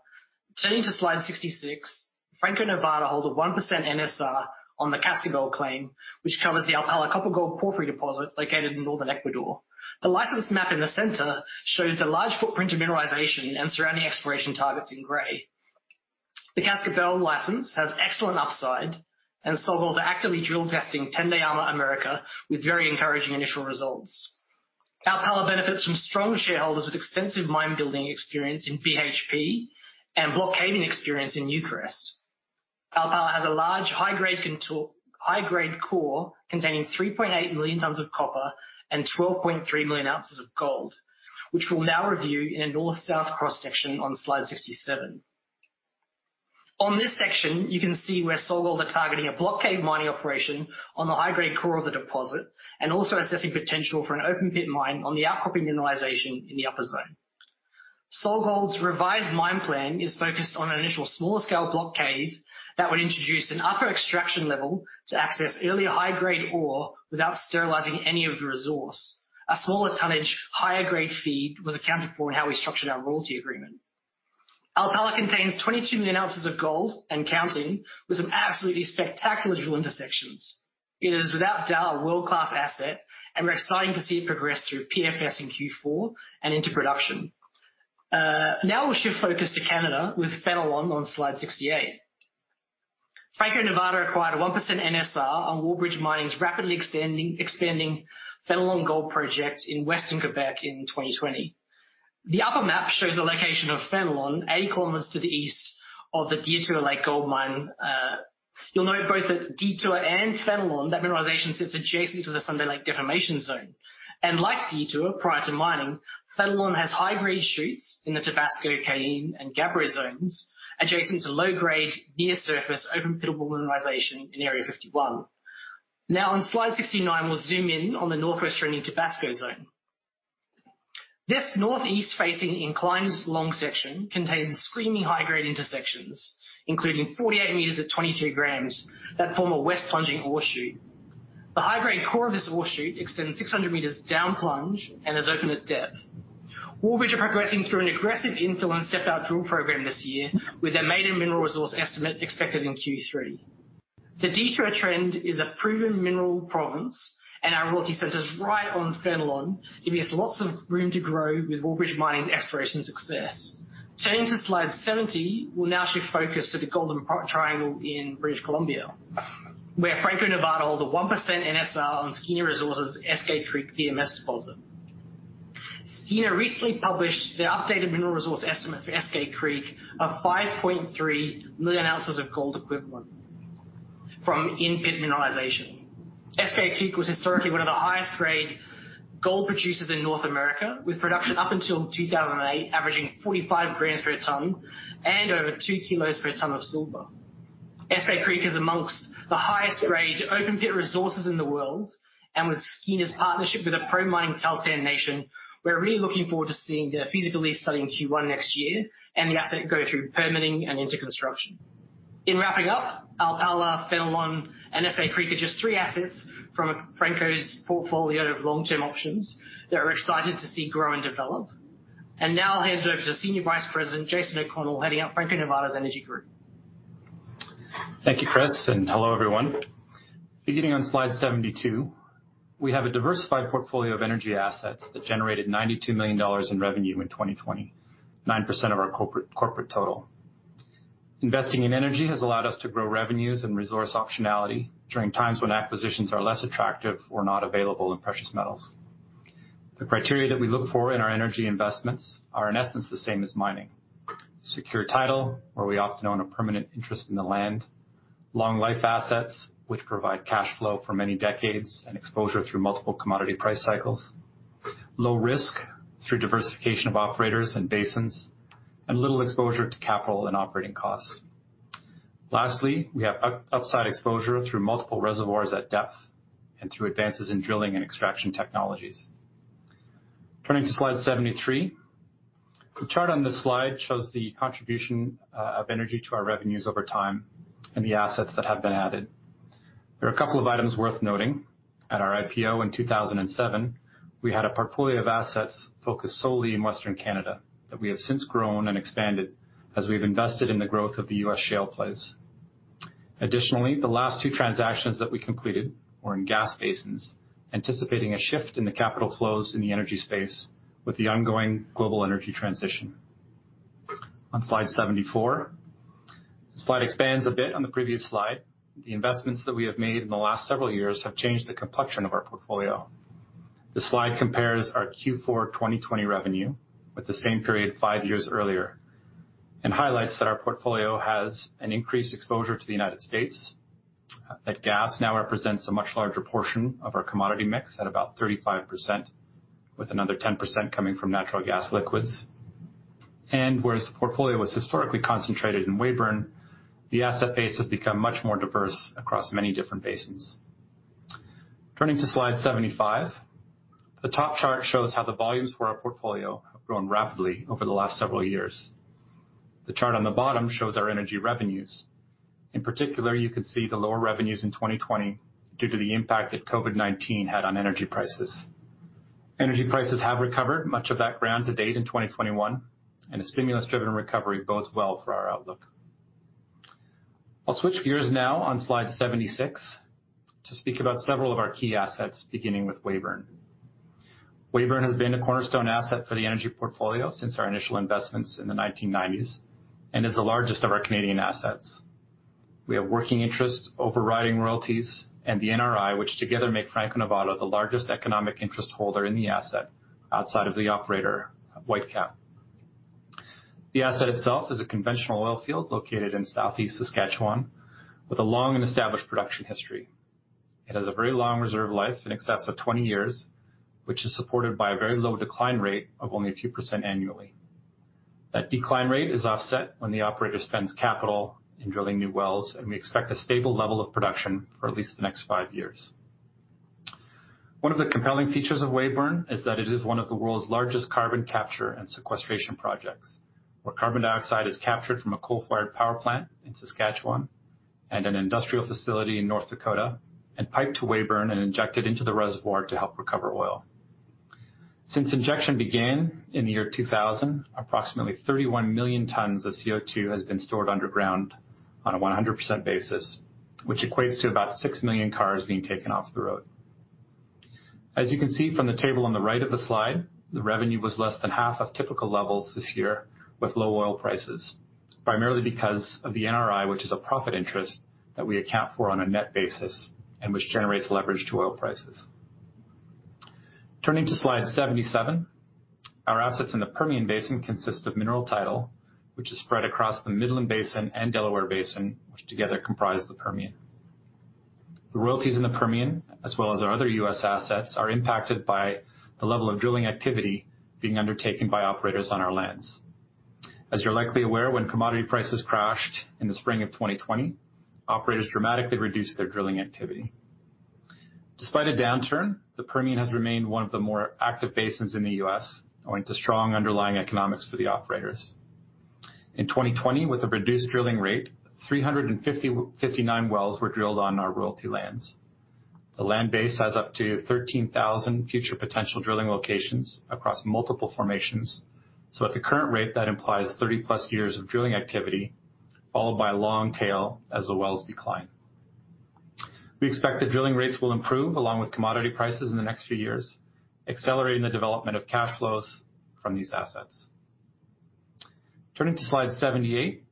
Speaker 14: Turning to Slide 66, Franco-Nevada holds a 1% NSR on the Cascabel claim, which covers the Alpala copper-gold porphyry deposit located in northern Ecuador. The license map in the center shows the large footprint of mineralization and surrounding exploration targets in gray. The Cascabel license has excellent upside. SolGold actively drill testing Tandayama-América with very encouraging initial results. Alpala benefits from strong shareholders with extensive mine building experience in BHP and block caving experience in Newcrest. Alpala has a large, high-grade core containing 3.8 million tons of copper and 12.3 million ounces of gold, which we'll now review in a north-south cross-section on Slide 67. On this section, you can see where SolGold are targeting a block cave mining operation on the high-grade core of the deposit and also assessing potential for an open pit mine on the outcrop mineralization in the upper zone. SolGold's revised mine plan is focused on an initial smaller scale block cave that would introduce an upper extraction level to access earlier high-grade ore without sterilizing any of the resource. A smaller tonnage, higher grade feed was accounted for in how we structured our royalty agreement. Alpala contains 22 million ounces of gold and counting with some absolutely spectacular drill intersections. It is without doubt a world-class asset, and we're excited to see it progress through PFS in Q4 and into production. Now we'll shift focus to Canada with Fenelon on Slide 68. Franco-Nevada acquired a 1% NSR on Wallbridge Mining's rapidly expanding Fenelon Gold Project in western Quebec in 2020. The upper map shows the location of Fenelon, eight kilometers to the east of the Detour Lake Gold Mine. You'll note both that Detour and Fenelon, that mineralization sits adjacent to the Sunday Lake deformation zone. Like Detour prior to mining, Fenelon has high-grade shoots in the Tabasco, Caine, and Gabbro zones adjacent to low-grade, near surface, open pitable mineralization in Area 51. On Slide 69, we'll zoom in on the northwestern in Tabasco zone. This northeast-facing inclined long section contains screaming high-grade intersections, including 48 meters at 22 grams that form a west plunging ore shoot. The high-grade core of this ore shoot extends 600 meters down plunge and is open at depth. Wallbridge are progressing through an aggressive infill and step-out drill program this year with their maiden mineral resource estimate expected in Q3. The Detour Trend is a proven mineral province, and our royalty centers right on Fenelon, giving us lots of room to grow with Wallbridge Mining's exploration success. Turning to Slide 70, we'll now shift focus to the Golden Triangle in British Columbia, where Franco-Nevada holds a 1% NSR on Skeena Resources' Eskay Creek VMS deposit. Skeena recently published their updated mineral resource estimate for Eskay Creek of 5.3 million ounces of gold equivalent from in-pit mineralization. Eskay Creek was historically one of the highest-grade gold producers in North America, with production up until 2008, averaging 45 grams per ton and over two kilos per ton of silver. Eskay Creek is amongst the highest grade open-pit resources in the world, with Skeena's partnership with the pro-mining Tahltan Nation, we're really looking forward to seeing their feasibility study in Q1 next year and the asset go through permitting and into construction. In wrapping up, Alpala, Fenelon, and Eskay Creek are just three assets from Franco's portfolio of long-term options that we're excited to see grow and develop. Now I'll hand it over to Senior Vice President Jason O'Connell, heading up Franco-Nevada's energy group.
Speaker 15: Thank you, Chris, and hello, everyone. Beginning on Slide 72, we have a diversified portfolio of energy assets that generated $92 million in revenue in 2020, 9% of our corporate total. Investing in energy has allowed us to grow revenues and resource optionality during times when acquisitions are less attractive or not available in precious metals. The criteria that we look for in our energy investments are, in essence, the same as mining. Secure title, where we often own a permanent interest in the land. Long life assets, which provide cash flow for many decades and exposure through multiple commodity price cycles. Low risk through diversification of operators and basins, and little exposure to capital and operating costs. Lastly, we have upside exposure through multiple reservoirs at depth and through advances in drilling and extraction technologies. Turning to Slide 73. The chart on this slide shows the contribution of energy to our revenues over time and the assets that have been added. There are a couple of items worth noting. At our IPO in 2007, we had a portfolio of assets focused solely in Western Canada that we have since grown and expanded as we've invested in the growth of the U.S. shale plays. The last two transactions that we completed were in gas basins, anticipating a shift in the capital flows in the energy space with the ongoing global energy transition. On Slide 74. The slide expands a bit on the previous slide. The investments that we have made in the last several years have changed the complexion of our portfolio. The slide compares our Q4 2020 revenue with the same period five years earlier and highlights that our portfolio has an increased exposure to the U.S., that gas now represents a much larger portion of our commodity mix at about 35%, with another 10% coming from natural gas liquids. Whereas the portfolio was historically concentrated in Weyburn, the asset base has become much more diverse across many different basins. Turning to Slide 75. The top chart shows how the volumes for our portfolio have grown rapidly over the last several years. The chart on the bottom shows our energy revenues. In particular, you could see the lower revenues in 2020 due to the impact that COVID-19 had on energy prices. Energy prices have recovered much of that ground to date in 2021, a stimulus-driven recovery bodes well for our outlook. I'll switch gears now on Slide 76 to speak about several of our key assets, beginning with Weyburn. Weyburn has been a cornerstone asset for the energy portfolio since our initial investments in the 1990s and is the largest of our Canadian assets. We have working interest, overriding royalties, and the NRI, which together make Franco-Nevada the largest economic interest holder in the asset outside of the operator, Whitecap. The asset itself is a conventional oil field located in southeast Saskatchewan with a long and established production history. It has a very long reserve life in excess of 20 years, which is supported by a very low decline rate of only 2% annually. That decline rate is offset when the operator spends capital in drilling new wells, and we expect a stable level of production for at least the next five years. One of the compelling features of Weyburn is that it is one of the world's largest carbon capture and sequestration projects, where carbon dioxide is captured from a coal-fired power plant in Saskatchewan and an industrial facility in North Dakota, and piped to Weyburn and injected into the reservoir to help recover oil. Since injection began in the year 2000, approximately 31 million tons of CO2 has been stored underground on a 100% basis, which equates to about 6 million cars being taken off the road. As you can see from the table on the right of the slide, the revenue was less than half of typical levels this year with low oil prices, primarily because of the NRI, which is a profit interest that we account for on a net basis and which generates leverage to oil prices. Turning to Slide 77. Our assets in the Permian Basin consist of mineral title, which is spread across the Midland Basin and Delaware Basin, which together comprise the Permian. The royalties in the Permian, as well as our other U.S. assets, are impacted by the level of drilling activity being undertaken by operators on our lands. As you're likely aware, when commodity prices crashed in the spring of 2020, operators dramatically reduced their drilling activity. Despite a downturn, the Permian has remained one of the more active basins in the U.S., owing to strong underlying economics for the operators. In 2020, with a reduced drilling rate, 359 wells were drilled on our royalty lands. The land base has up to 13,000 future potential drilling locations across multiple formations. At the current rate, that implies 30-plus years of drilling activity, followed by a long tail as the wells decline. We expect the drilling rates will improve along with commodity prices in the next few years, accelerating the development of cash flows from these assets. Turning to Slide 78.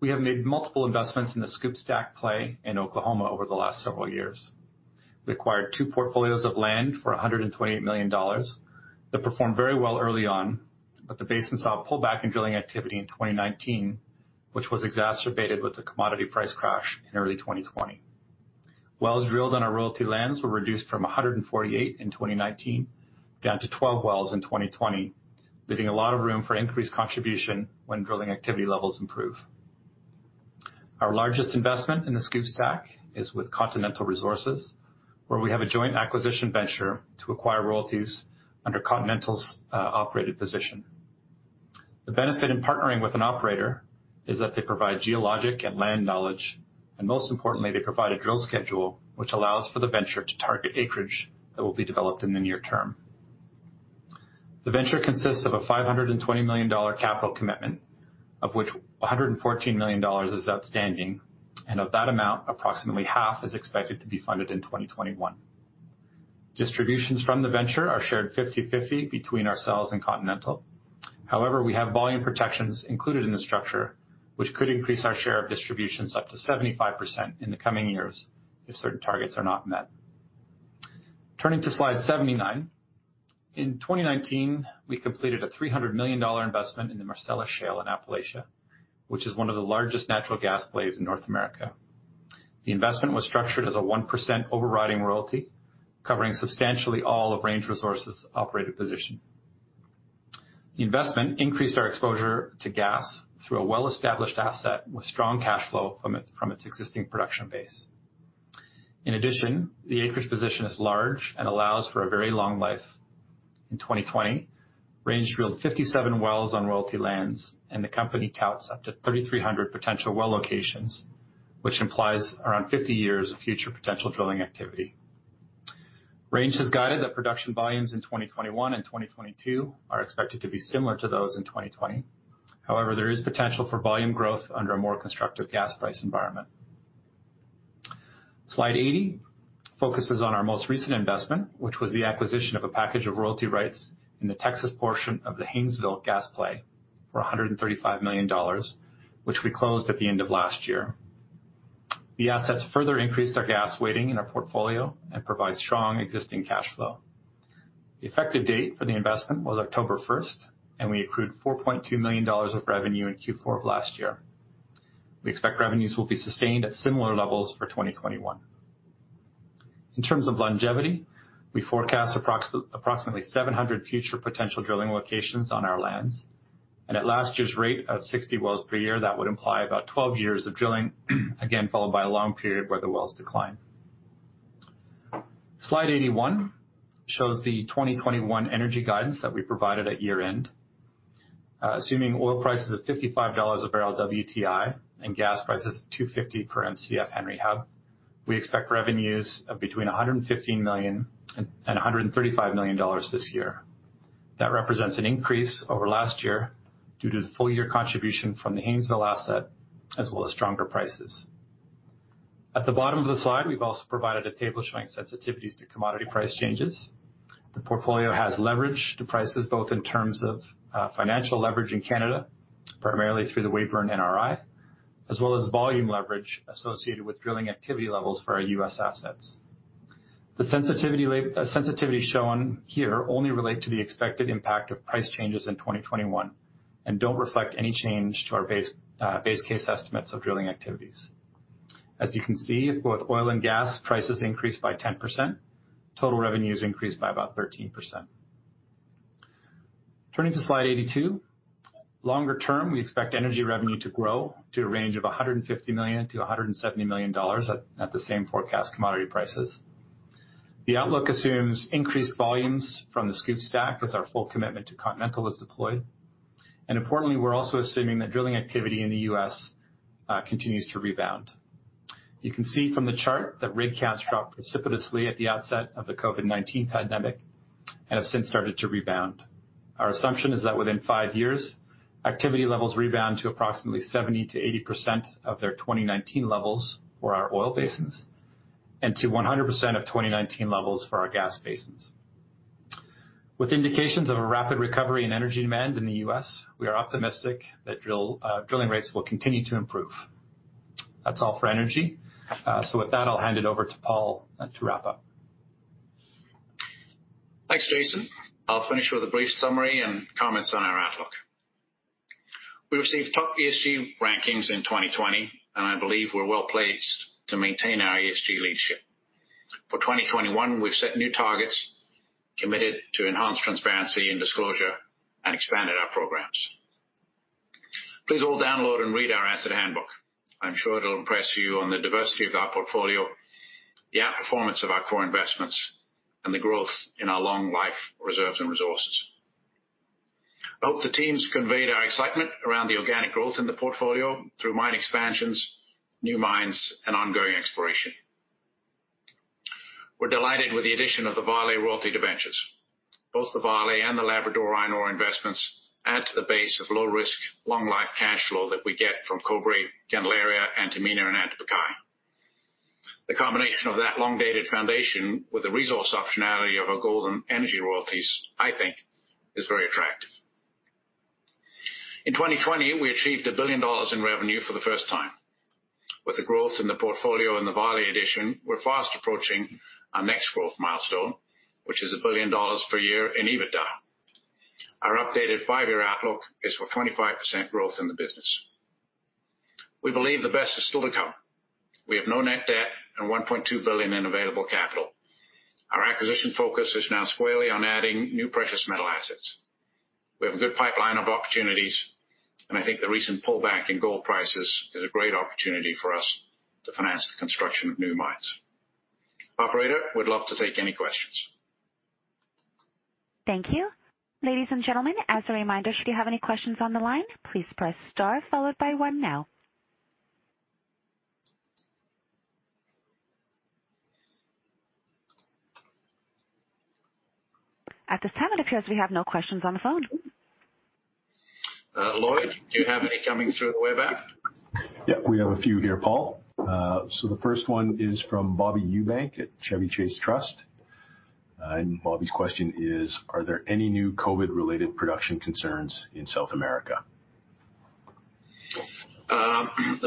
Speaker 15: We have made multiple investments in the SCOOP/STACK play in Oklahoma over the last several years. We acquired two portfolios of land for $128 million that performed very well early on, but the basin saw a pullback in drilling activity in 2019, which was exacerbated with the commodity price crash in early 2020. Wells drilled on our royalty lands were reduced from 148 in 2019 down to 12 wells in 2020, leaving a lot of room for increased contribution when drilling activity levels improve. Our largest investment in the SCOOP/STACK is with Continental Resources, where we have a joint acquisition venture to acquire royalties under Continental's operated position. The benefit in partnering with an operator is that they provide geologic and land knowledge, and most importantly, they provide a drill schedule, which allows for the venture to target acreage that will be developed in the near term. The venture consists of a $520 million capital commitment, of which $114 million is outstanding, and of that amount, approximately half is expected to be funded in 2021. Distributions from the venture are shared 50/50 between ourselves and Continental. However, we have volume protections included in the structure, which could increase our share of distributions up to 75% in the coming years if certain targets are not met. Turning to Slide 79. In 2019, we completed a $300 million investment in the Marcellus Shale in Appalachia, which is one of the largest natural gas plays in North America. The investment was structured as a 1% overriding royalty, covering substantially all of Range Resources' operated position. The investment increased our exposure to gas through a well-established asset with strong cash flow from its existing production base. In addition, the acreage position is large and allows for a very long life. In 2020, Range drilled 57 wells on royalty lands, and the company counts up to 3,300 potential well locations, which implies around 50 years of future potential drilling activity. Range has guided that production volumes in 2021 and 2022 are expected to be similar to those in 2020. However, there is potential for volume growth under a more constructive gas price environment. Slide 80 focuses on our most recent investment, which was the acquisition of a package of royalty rights in the Texas portion of the Haynesville Gas Play for $135 million, which we closed at the end of last year. The assets further increased our gas weighting in our portfolio and provide strong existing cash flow. The effective date for the investment was October 1st. We accrued $4.2 million of revenue in Q4 of last year. We expect revenues will be sustained at similar levels for 2021. In terms of longevity, we forecast approximately 700 future potential drilling locations on our lands. At last year's rate of 60 wells per year, that would imply about 12 years of drilling, again, followed by a long period where the wells decline. Slide 81 shows the 2021 energy guidance that we provided at year-end. Assuming oil prices of $55 a barrel WTI and gas prices of $2.50 per Mcf Henry Hub, we expect revenues of between $115 million and $135 million this year. That represents an increase over last year due to the full year contribution from the Haynesville asset, as well as stronger prices. At the bottom of the slide, we've also provided a table showing sensitivities to commodity price changes. The portfolio has leverage to prices, both in terms of financial leverage in Canada, primarily through the Weyburn NRI, as well as volume leverage associated with drilling activity levels for our U.S. assets. The sensitivity shown here only relate to the expected impact of price changes in 2021 and don't reflect any change to our base case estimates of drilling activities. As you can see, if both oil and gas prices increase by 10%, total revenues increase by about 13%. Turning to Slide 82. Longer term, we expect energy revenue to grow to a range of $150 million-$170 million at the same forecast commodity prices. The outlook assumes increased volumes from the SCOOP/STACK as our full commitment to Continental is deployed. Importantly, we're also assuming that drilling activity in the U.S. continues to rebound. You can see from the chart that rig counts dropped precipitously at the outset of the COVID-19 pandemic and have since started to rebound. Our assumption is that within five years, activity levels rebound to approximately 70%-80% of their 2019 levels for our oil basins and to 100% of 2019 levels for our gas basins. With indications of a rapid recovery in energy demand in the U.S., we are optimistic that drilling rates will continue to improve. That's all for energy. With that, I'll hand it over to Paul to wrap up.
Speaker 2: Thanks, Jason. I'll finish with a brief summary and comments on our outlook. We received top ESG rankings in 2020, and I believe we're well-placed to maintain our ESG leadership. For 2021, we've set new targets, committed to enhanced transparency and disclosure, and expanded our programs. Please all download and read our asset handbook. I'm sure it'll impress you on the diversity of our portfolio, the outperformance of our core investments, and the growth in our long-life reserves and resources. I hope the teams conveyed our excitement around the organic growth in the portfolio through mine expansions, new mines, and ongoing exploration. We're delighted with the addition of the Vale royalty debentures. Both the Vale and the Labrador Iron Ore investments add to the base of low risk, long life cash flow that we get from Cobre, Candelaria, Antamina, and Antapaccay. The combination of that long-dated foundation with the resource optionality of our gold and energy royalties, I think, is very attractive. In 2020, we achieved $1 billion in revenue for the first time. With the growth in the portfolio and the Vale addition, we're fast approaching our next growth milestone, which is $1 billion per year in EBITDA. Our updated five-year outlook is for 25% growth in the business. We believe the best is still to come. We have no net debt and $1.2 billion in available capital. Our acquisition focus is now squarely on adding new precious metal assets. We have a good pipeline of opportunities. I think the recent pullback in gold prices is a great opportunity for us to finance the construction of new mines. Operator, we'd love to take any questions.
Speaker 1: Thank you. Ladies and gentlemen, as a reminder, should you have any questions on the line, please press star followed by one now. At this time, it appears we have no questions on the phone.
Speaker 2: Lloyd, do you have any coming through the web app?
Speaker 3: Yeah, we have a few here, Paul. The first one is from Bobby Eubank at Chevy Chase Trust, and Bobby's question is: Are there any new COVID-related production concerns in South America?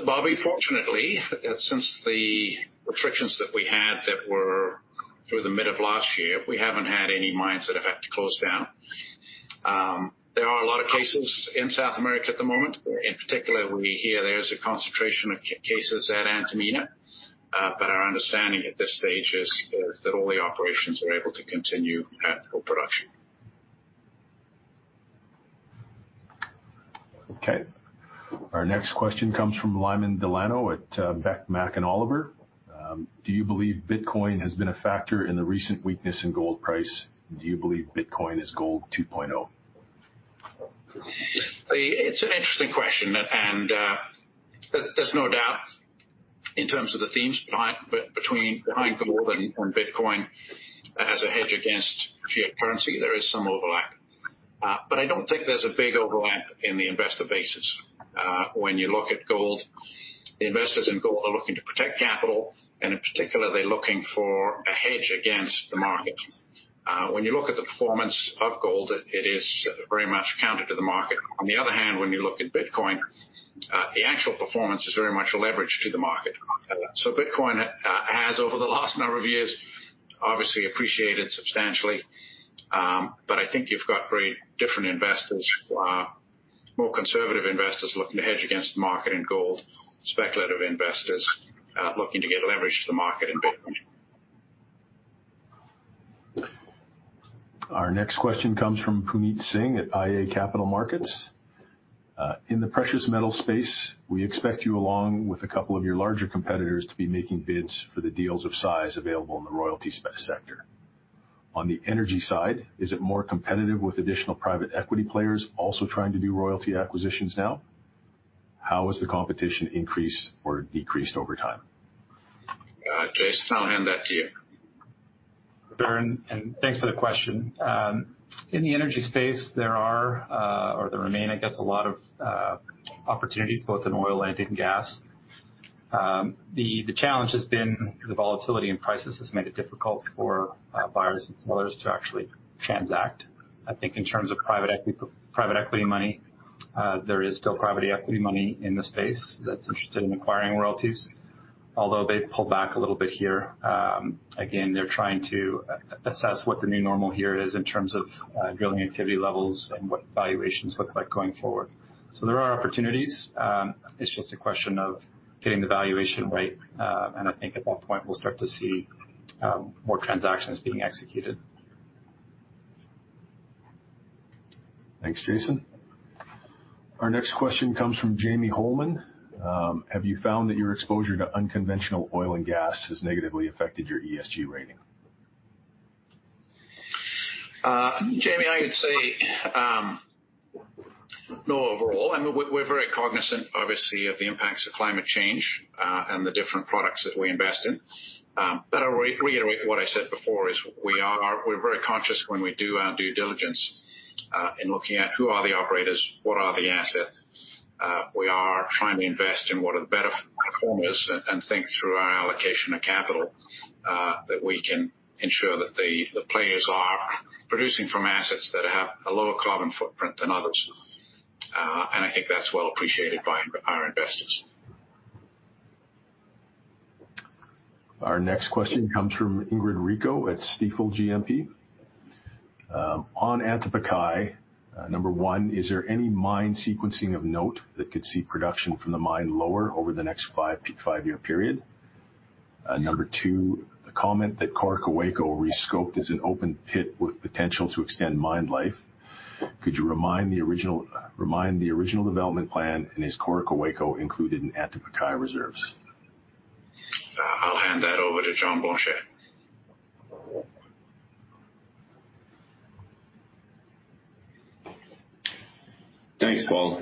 Speaker 2: Bobby, fortunately, since the restrictions that we had that were through the mid of last year, we haven't had any mines that have had to close down. There are a lot of cases in South America at the moment. In particular, we hear there is a concentration of cases at Antamina. Our understanding at this stage is that all the operations are able to continue at full production.
Speaker 3: Okay. Our next question comes from Lyman Delano at Beck, Mack & Oliver. Do you believe Bitcoin has been a factor in the recent weakness in gold price? Do you believe Bitcoin is Gold 2.0?
Speaker 2: It's an interesting question, and there's no doubt in terms of the themes behind gold and Bitcoin as a hedge against fiat currency, there is some overlap. I don't think there's a big overlap in the investor bases. When you look at gold, the investors in gold are looking to protect capital, and in particular, they're looking for a hedge against the market. When you look at the performance of gold, it is very much counter to the market. On the other hand, when you look at Bitcoin, the actual performance is very much a leverage to the market. Bitcoin has, over the last number of years, obviously appreciated substantially, but I think you've got very different investors. More conservative investors looking to hedge against the market in gold, speculative investors looking to get leverage to the market in Bitcoin.
Speaker 3: Our next question comes from Puneet Singh at IA Capital Markets. In the precious metal space, we expect you, along with a couple of your larger competitors, to be making bids for the deals of size available in the royalties sector. On the energy side, is it more competitive with additional private equity players also trying to do royalty acquisitions now? How has the competition increased or decreased over time?
Speaker 2: Jason, I'll hand that to you.
Speaker 15: Thanks for the question. In the energy space, there are, or there remain, I guess, a lot of opportunities both in oil and in gas. The challenge has been the volatility in prices has made it difficult for buyers and sellers to actually transact. I think in terms of private equity money, there is still private equity money in the space that's interested in acquiring royalties, although they've pulled back a little bit here. Again, they're trying to assess what the new normal here is in terms of drilling activity levels and what valuations look like going forward. There are opportunities. It's just a question of getting the valuation right. I think at that point, we'll start to see more transactions being executed.
Speaker 3: Thanks, Jason. Our next question comes from Jamie Holman. Have you found that your exposure to unconventional oil and gas has negatively affected your ESG rating?
Speaker 2: Jamie, I would say, no, overall. I mean, we're very cognizant, obviously, of the impacts of climate change, and the different products that we invest in. I'll reiterate what I said before is we're very conscious when we do our due diligence, in looking at who are the operators, what are the assets? We are trying to invest in what are the better performers and think through our allocation of capital, that we can ensure that the players are producing from assets that have a lower carbon footprint than others. I think that's well appreciated by our investors.
Speaker 3: Our next question comes from Ingrid Rico at Stifel GMP. On Antapaccay, Number 1, is there any mine sequencing of note that could see production from the mine lower over the next five-year period? Number 2, the comment that Corihuarmi rescoped as an open pit with potential to extend mine life, could you remind the original development plan and is Corihuarmi included in Antapaccay reserves?
Speaker 2: I'll hand that over to John Blanchette.
Speaker 10: Thanks, Paul.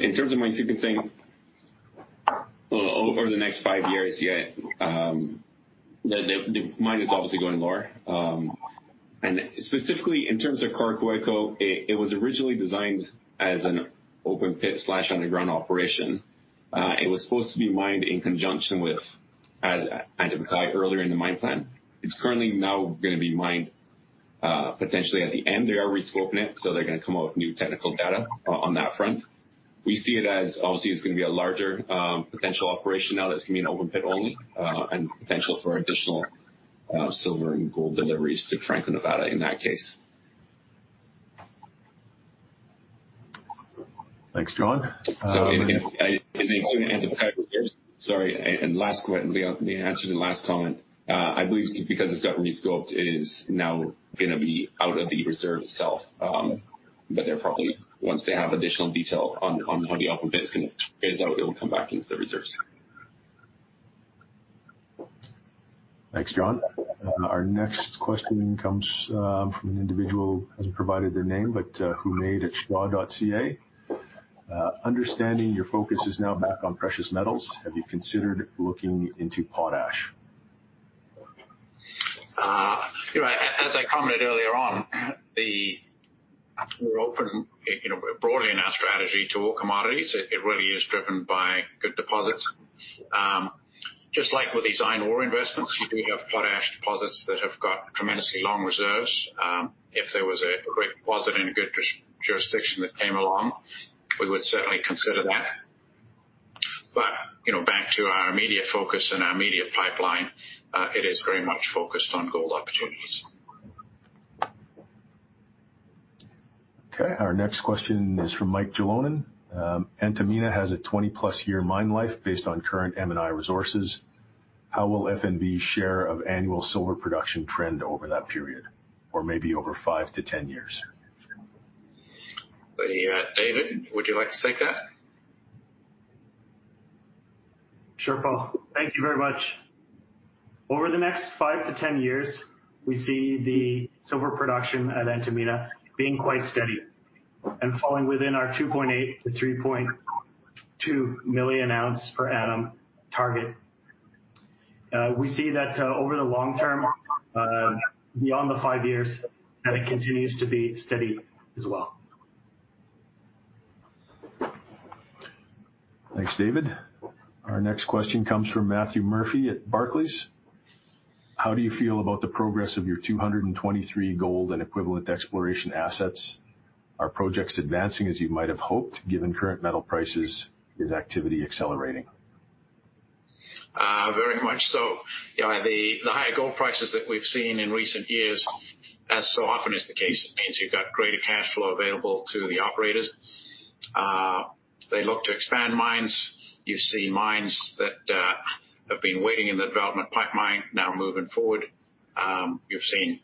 Speaker 10: In terms of mine sequencing, over the next five years, the mine is obviously going lower. Specifically in terms of Corihuarmi, it was originally designed as an open pit/underground operation. It was supposed to be mined in conjunction with Antapaccay earlier in the mine plan. It's currently now going to be mined potentially at the end. They are rescoping it, so they're going to come out with new technical data on that front. We see it as, obviously, it's going to be a larger potential operation now that it's going to be an open pit only, and potential for additional silver and gold deliveries to Franco-Nevada in that case.
Speaker 3: Thanks, John.
Speaker 10: Sorry, last question, the answer to the last comment. I believe because it's got rescoped, it is now going to be out of the reserve itself. They're probably, once they have additional detail on the open pit, it's going to phase out, it will come back into the reserves.
Speaker 3: Thanks, John. Our next question comes from an individual who hasn't provided their name, but who made@shaw.ca. Understanding your focus is now back on precious metals, have you considered looking into potash?
Speaker 2: As I commented earlier on, we're open broadly in our strategy to all commodities. It really is driven by good deposits. Just like with these iron ore investments, you do have potash deposits that have got tremendously long reserves. If there was a great deposit in a good jurisdiction that came along, we would certainly consider that. Back to our immediate focus and our immediate pipeline, it is very much focused on gold opportunities.
Speaker 3: Okay, our next question is from Michael Jalonen. Antamina has a 20-plus year mine life based on current M&I resources. How will FNV's share of annual silver production trend over that period? Maybe over five to 10 years.
Speaker 2: David, would you like to take that?
Speaker 11: Sure, Paul. Thank you very much. Over the next five to 10 years, we see the silver production at Antamina being quite steady and falling within our 2.8-3.2 million ounce per annum target. We see that over the long term, beyond the five years, that it continues to be steady as well.
Speaker 3: Thanks, David. Our next question comes from Matthew Murphy at Barclays. How do you feel about the progress of your 223 gold and equivalent exploration assets? Are projects advancing as you might have hoped given current metal prices? Is activity accelerating?
Speaker 2: Very much so. The higher gold prices that we've seen in recent years, as so often is the case, it means you've got greater cash flow available to the operators. They look to expand mines. You see mines that have been waiting in the development pipeline now moving forward. You've seen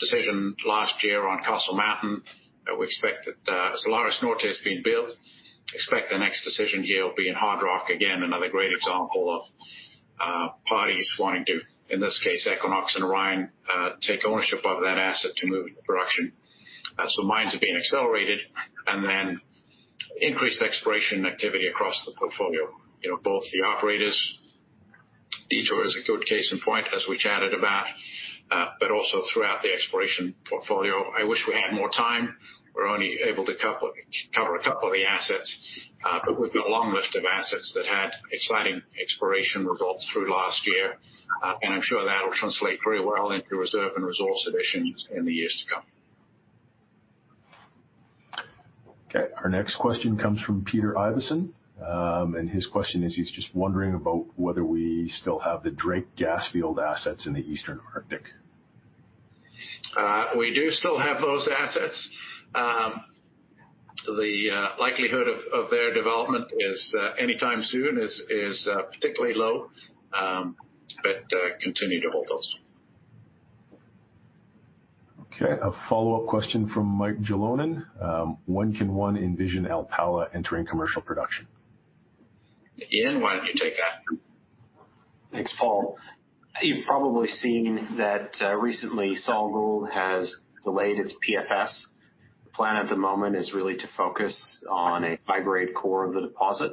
Speaker 2: decision last year on Castle Mountain that we expect that as Salares Norte is being built, expect the next decision here will be in Hardrock. Again, another great example of parties wanting to, in this case, Equinox and Orion, take ownership of that asset to move into production. Mines are being accelerated and then increased exploration activity across the portfolio. Both the operators, Detour is a good case in point, as we chatted about, but also throughout the exploration portfolio. I wish we had more time. We're only able to cover a couple of the assets. We've got a long list of assets that had exciting exploration results through last year. I'm sure that'll translate very well into reserve and resource additions in the years to come.
Speaker 3: Okay. Our next question comes from Peter Iveson. His question is, he is just wondering about whether we still have the Drake gas field assets in the eastern Arctic.
Speaker 2: We do still have those assets. The likelihood of their development anytime soon is particularly low. Continue to hold those.
Speaker 3: Okay, a follow-up question from Mike Jalonen. When can one envision Alpala entering commercial production?
Speaker 2: Eaun, why don't you take that?
Speaker 4: Thanks, Paul. You've probably seen that recently SolGold has delayed its PFS. The plan at the moment is really to focus on a high-grade core of the deposit,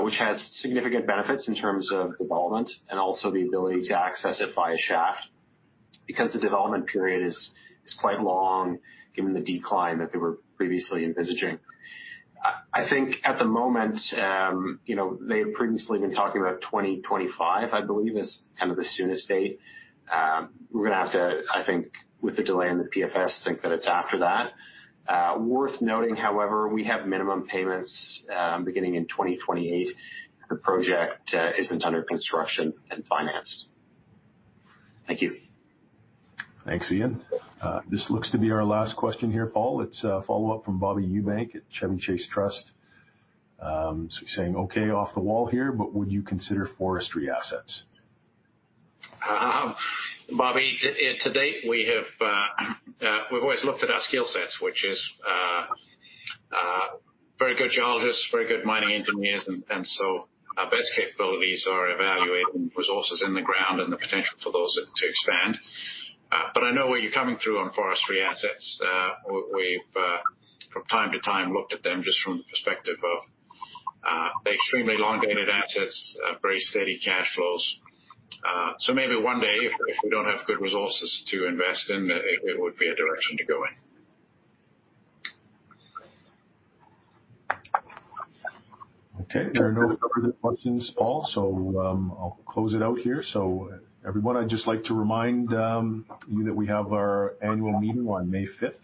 Speaker 4: which has significant benefits in terms of development and also the ability to access it via shaft, because the development period is quite long given the decline that they were previously envisaging. I think at the moment, they had previously been talking about 2025, I believe, is the soonest date. We're going to have to, I think, with the delay in the PFS, think that it's after that. Worth noting, however, we have minimum payments beginning in 2028 if the project isn't under construction and financed. Thank you.
Speaker 3: Thanks, Eaun. This looks to be our last question here, Paul. It's a follow-up from Bobby Eubank at Chevy Chase Trust, saying, okay, off the wall here, but would you consider forestry assets?
Speaker 2: Bobby, to date, we've always looked at our skill sets, which is very good geologists, very good mining engineers. Our best capabilities are evaluating resources in the ground and the potential for those to expand. I know where you're coming through on forestry assets. We've, from time to time, looked at them just from the perspective of they're extremely long-dated assets, very steady cash flows. Maybe one day, if we don't have good resources to invest in, it would be a direction to go in.
Speaker 3: Okay, there are no further questions, Paul, so I'll close it out here. Everyone, I'd just like to remind you that we have our annual meeting on May 5th.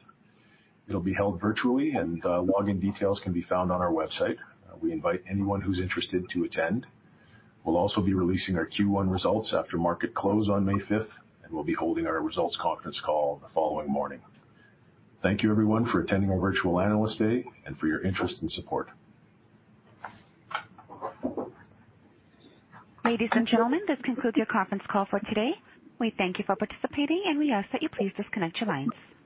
Speaker 3: It'll be held virtually, and login details can be found on our website. We invite anyone who's interested to attend. We'll also be releasing our Q1 results after market close on May 5th, and we'll be holding our results conference call the following morning. Thank you everyone for attending our virtual Analyst Day and for your interest and support.
Speaker 1: Ladies and gentlemen, this concludes your conference call for today. We thank you for participating, and we ask that you please disconnect your lines.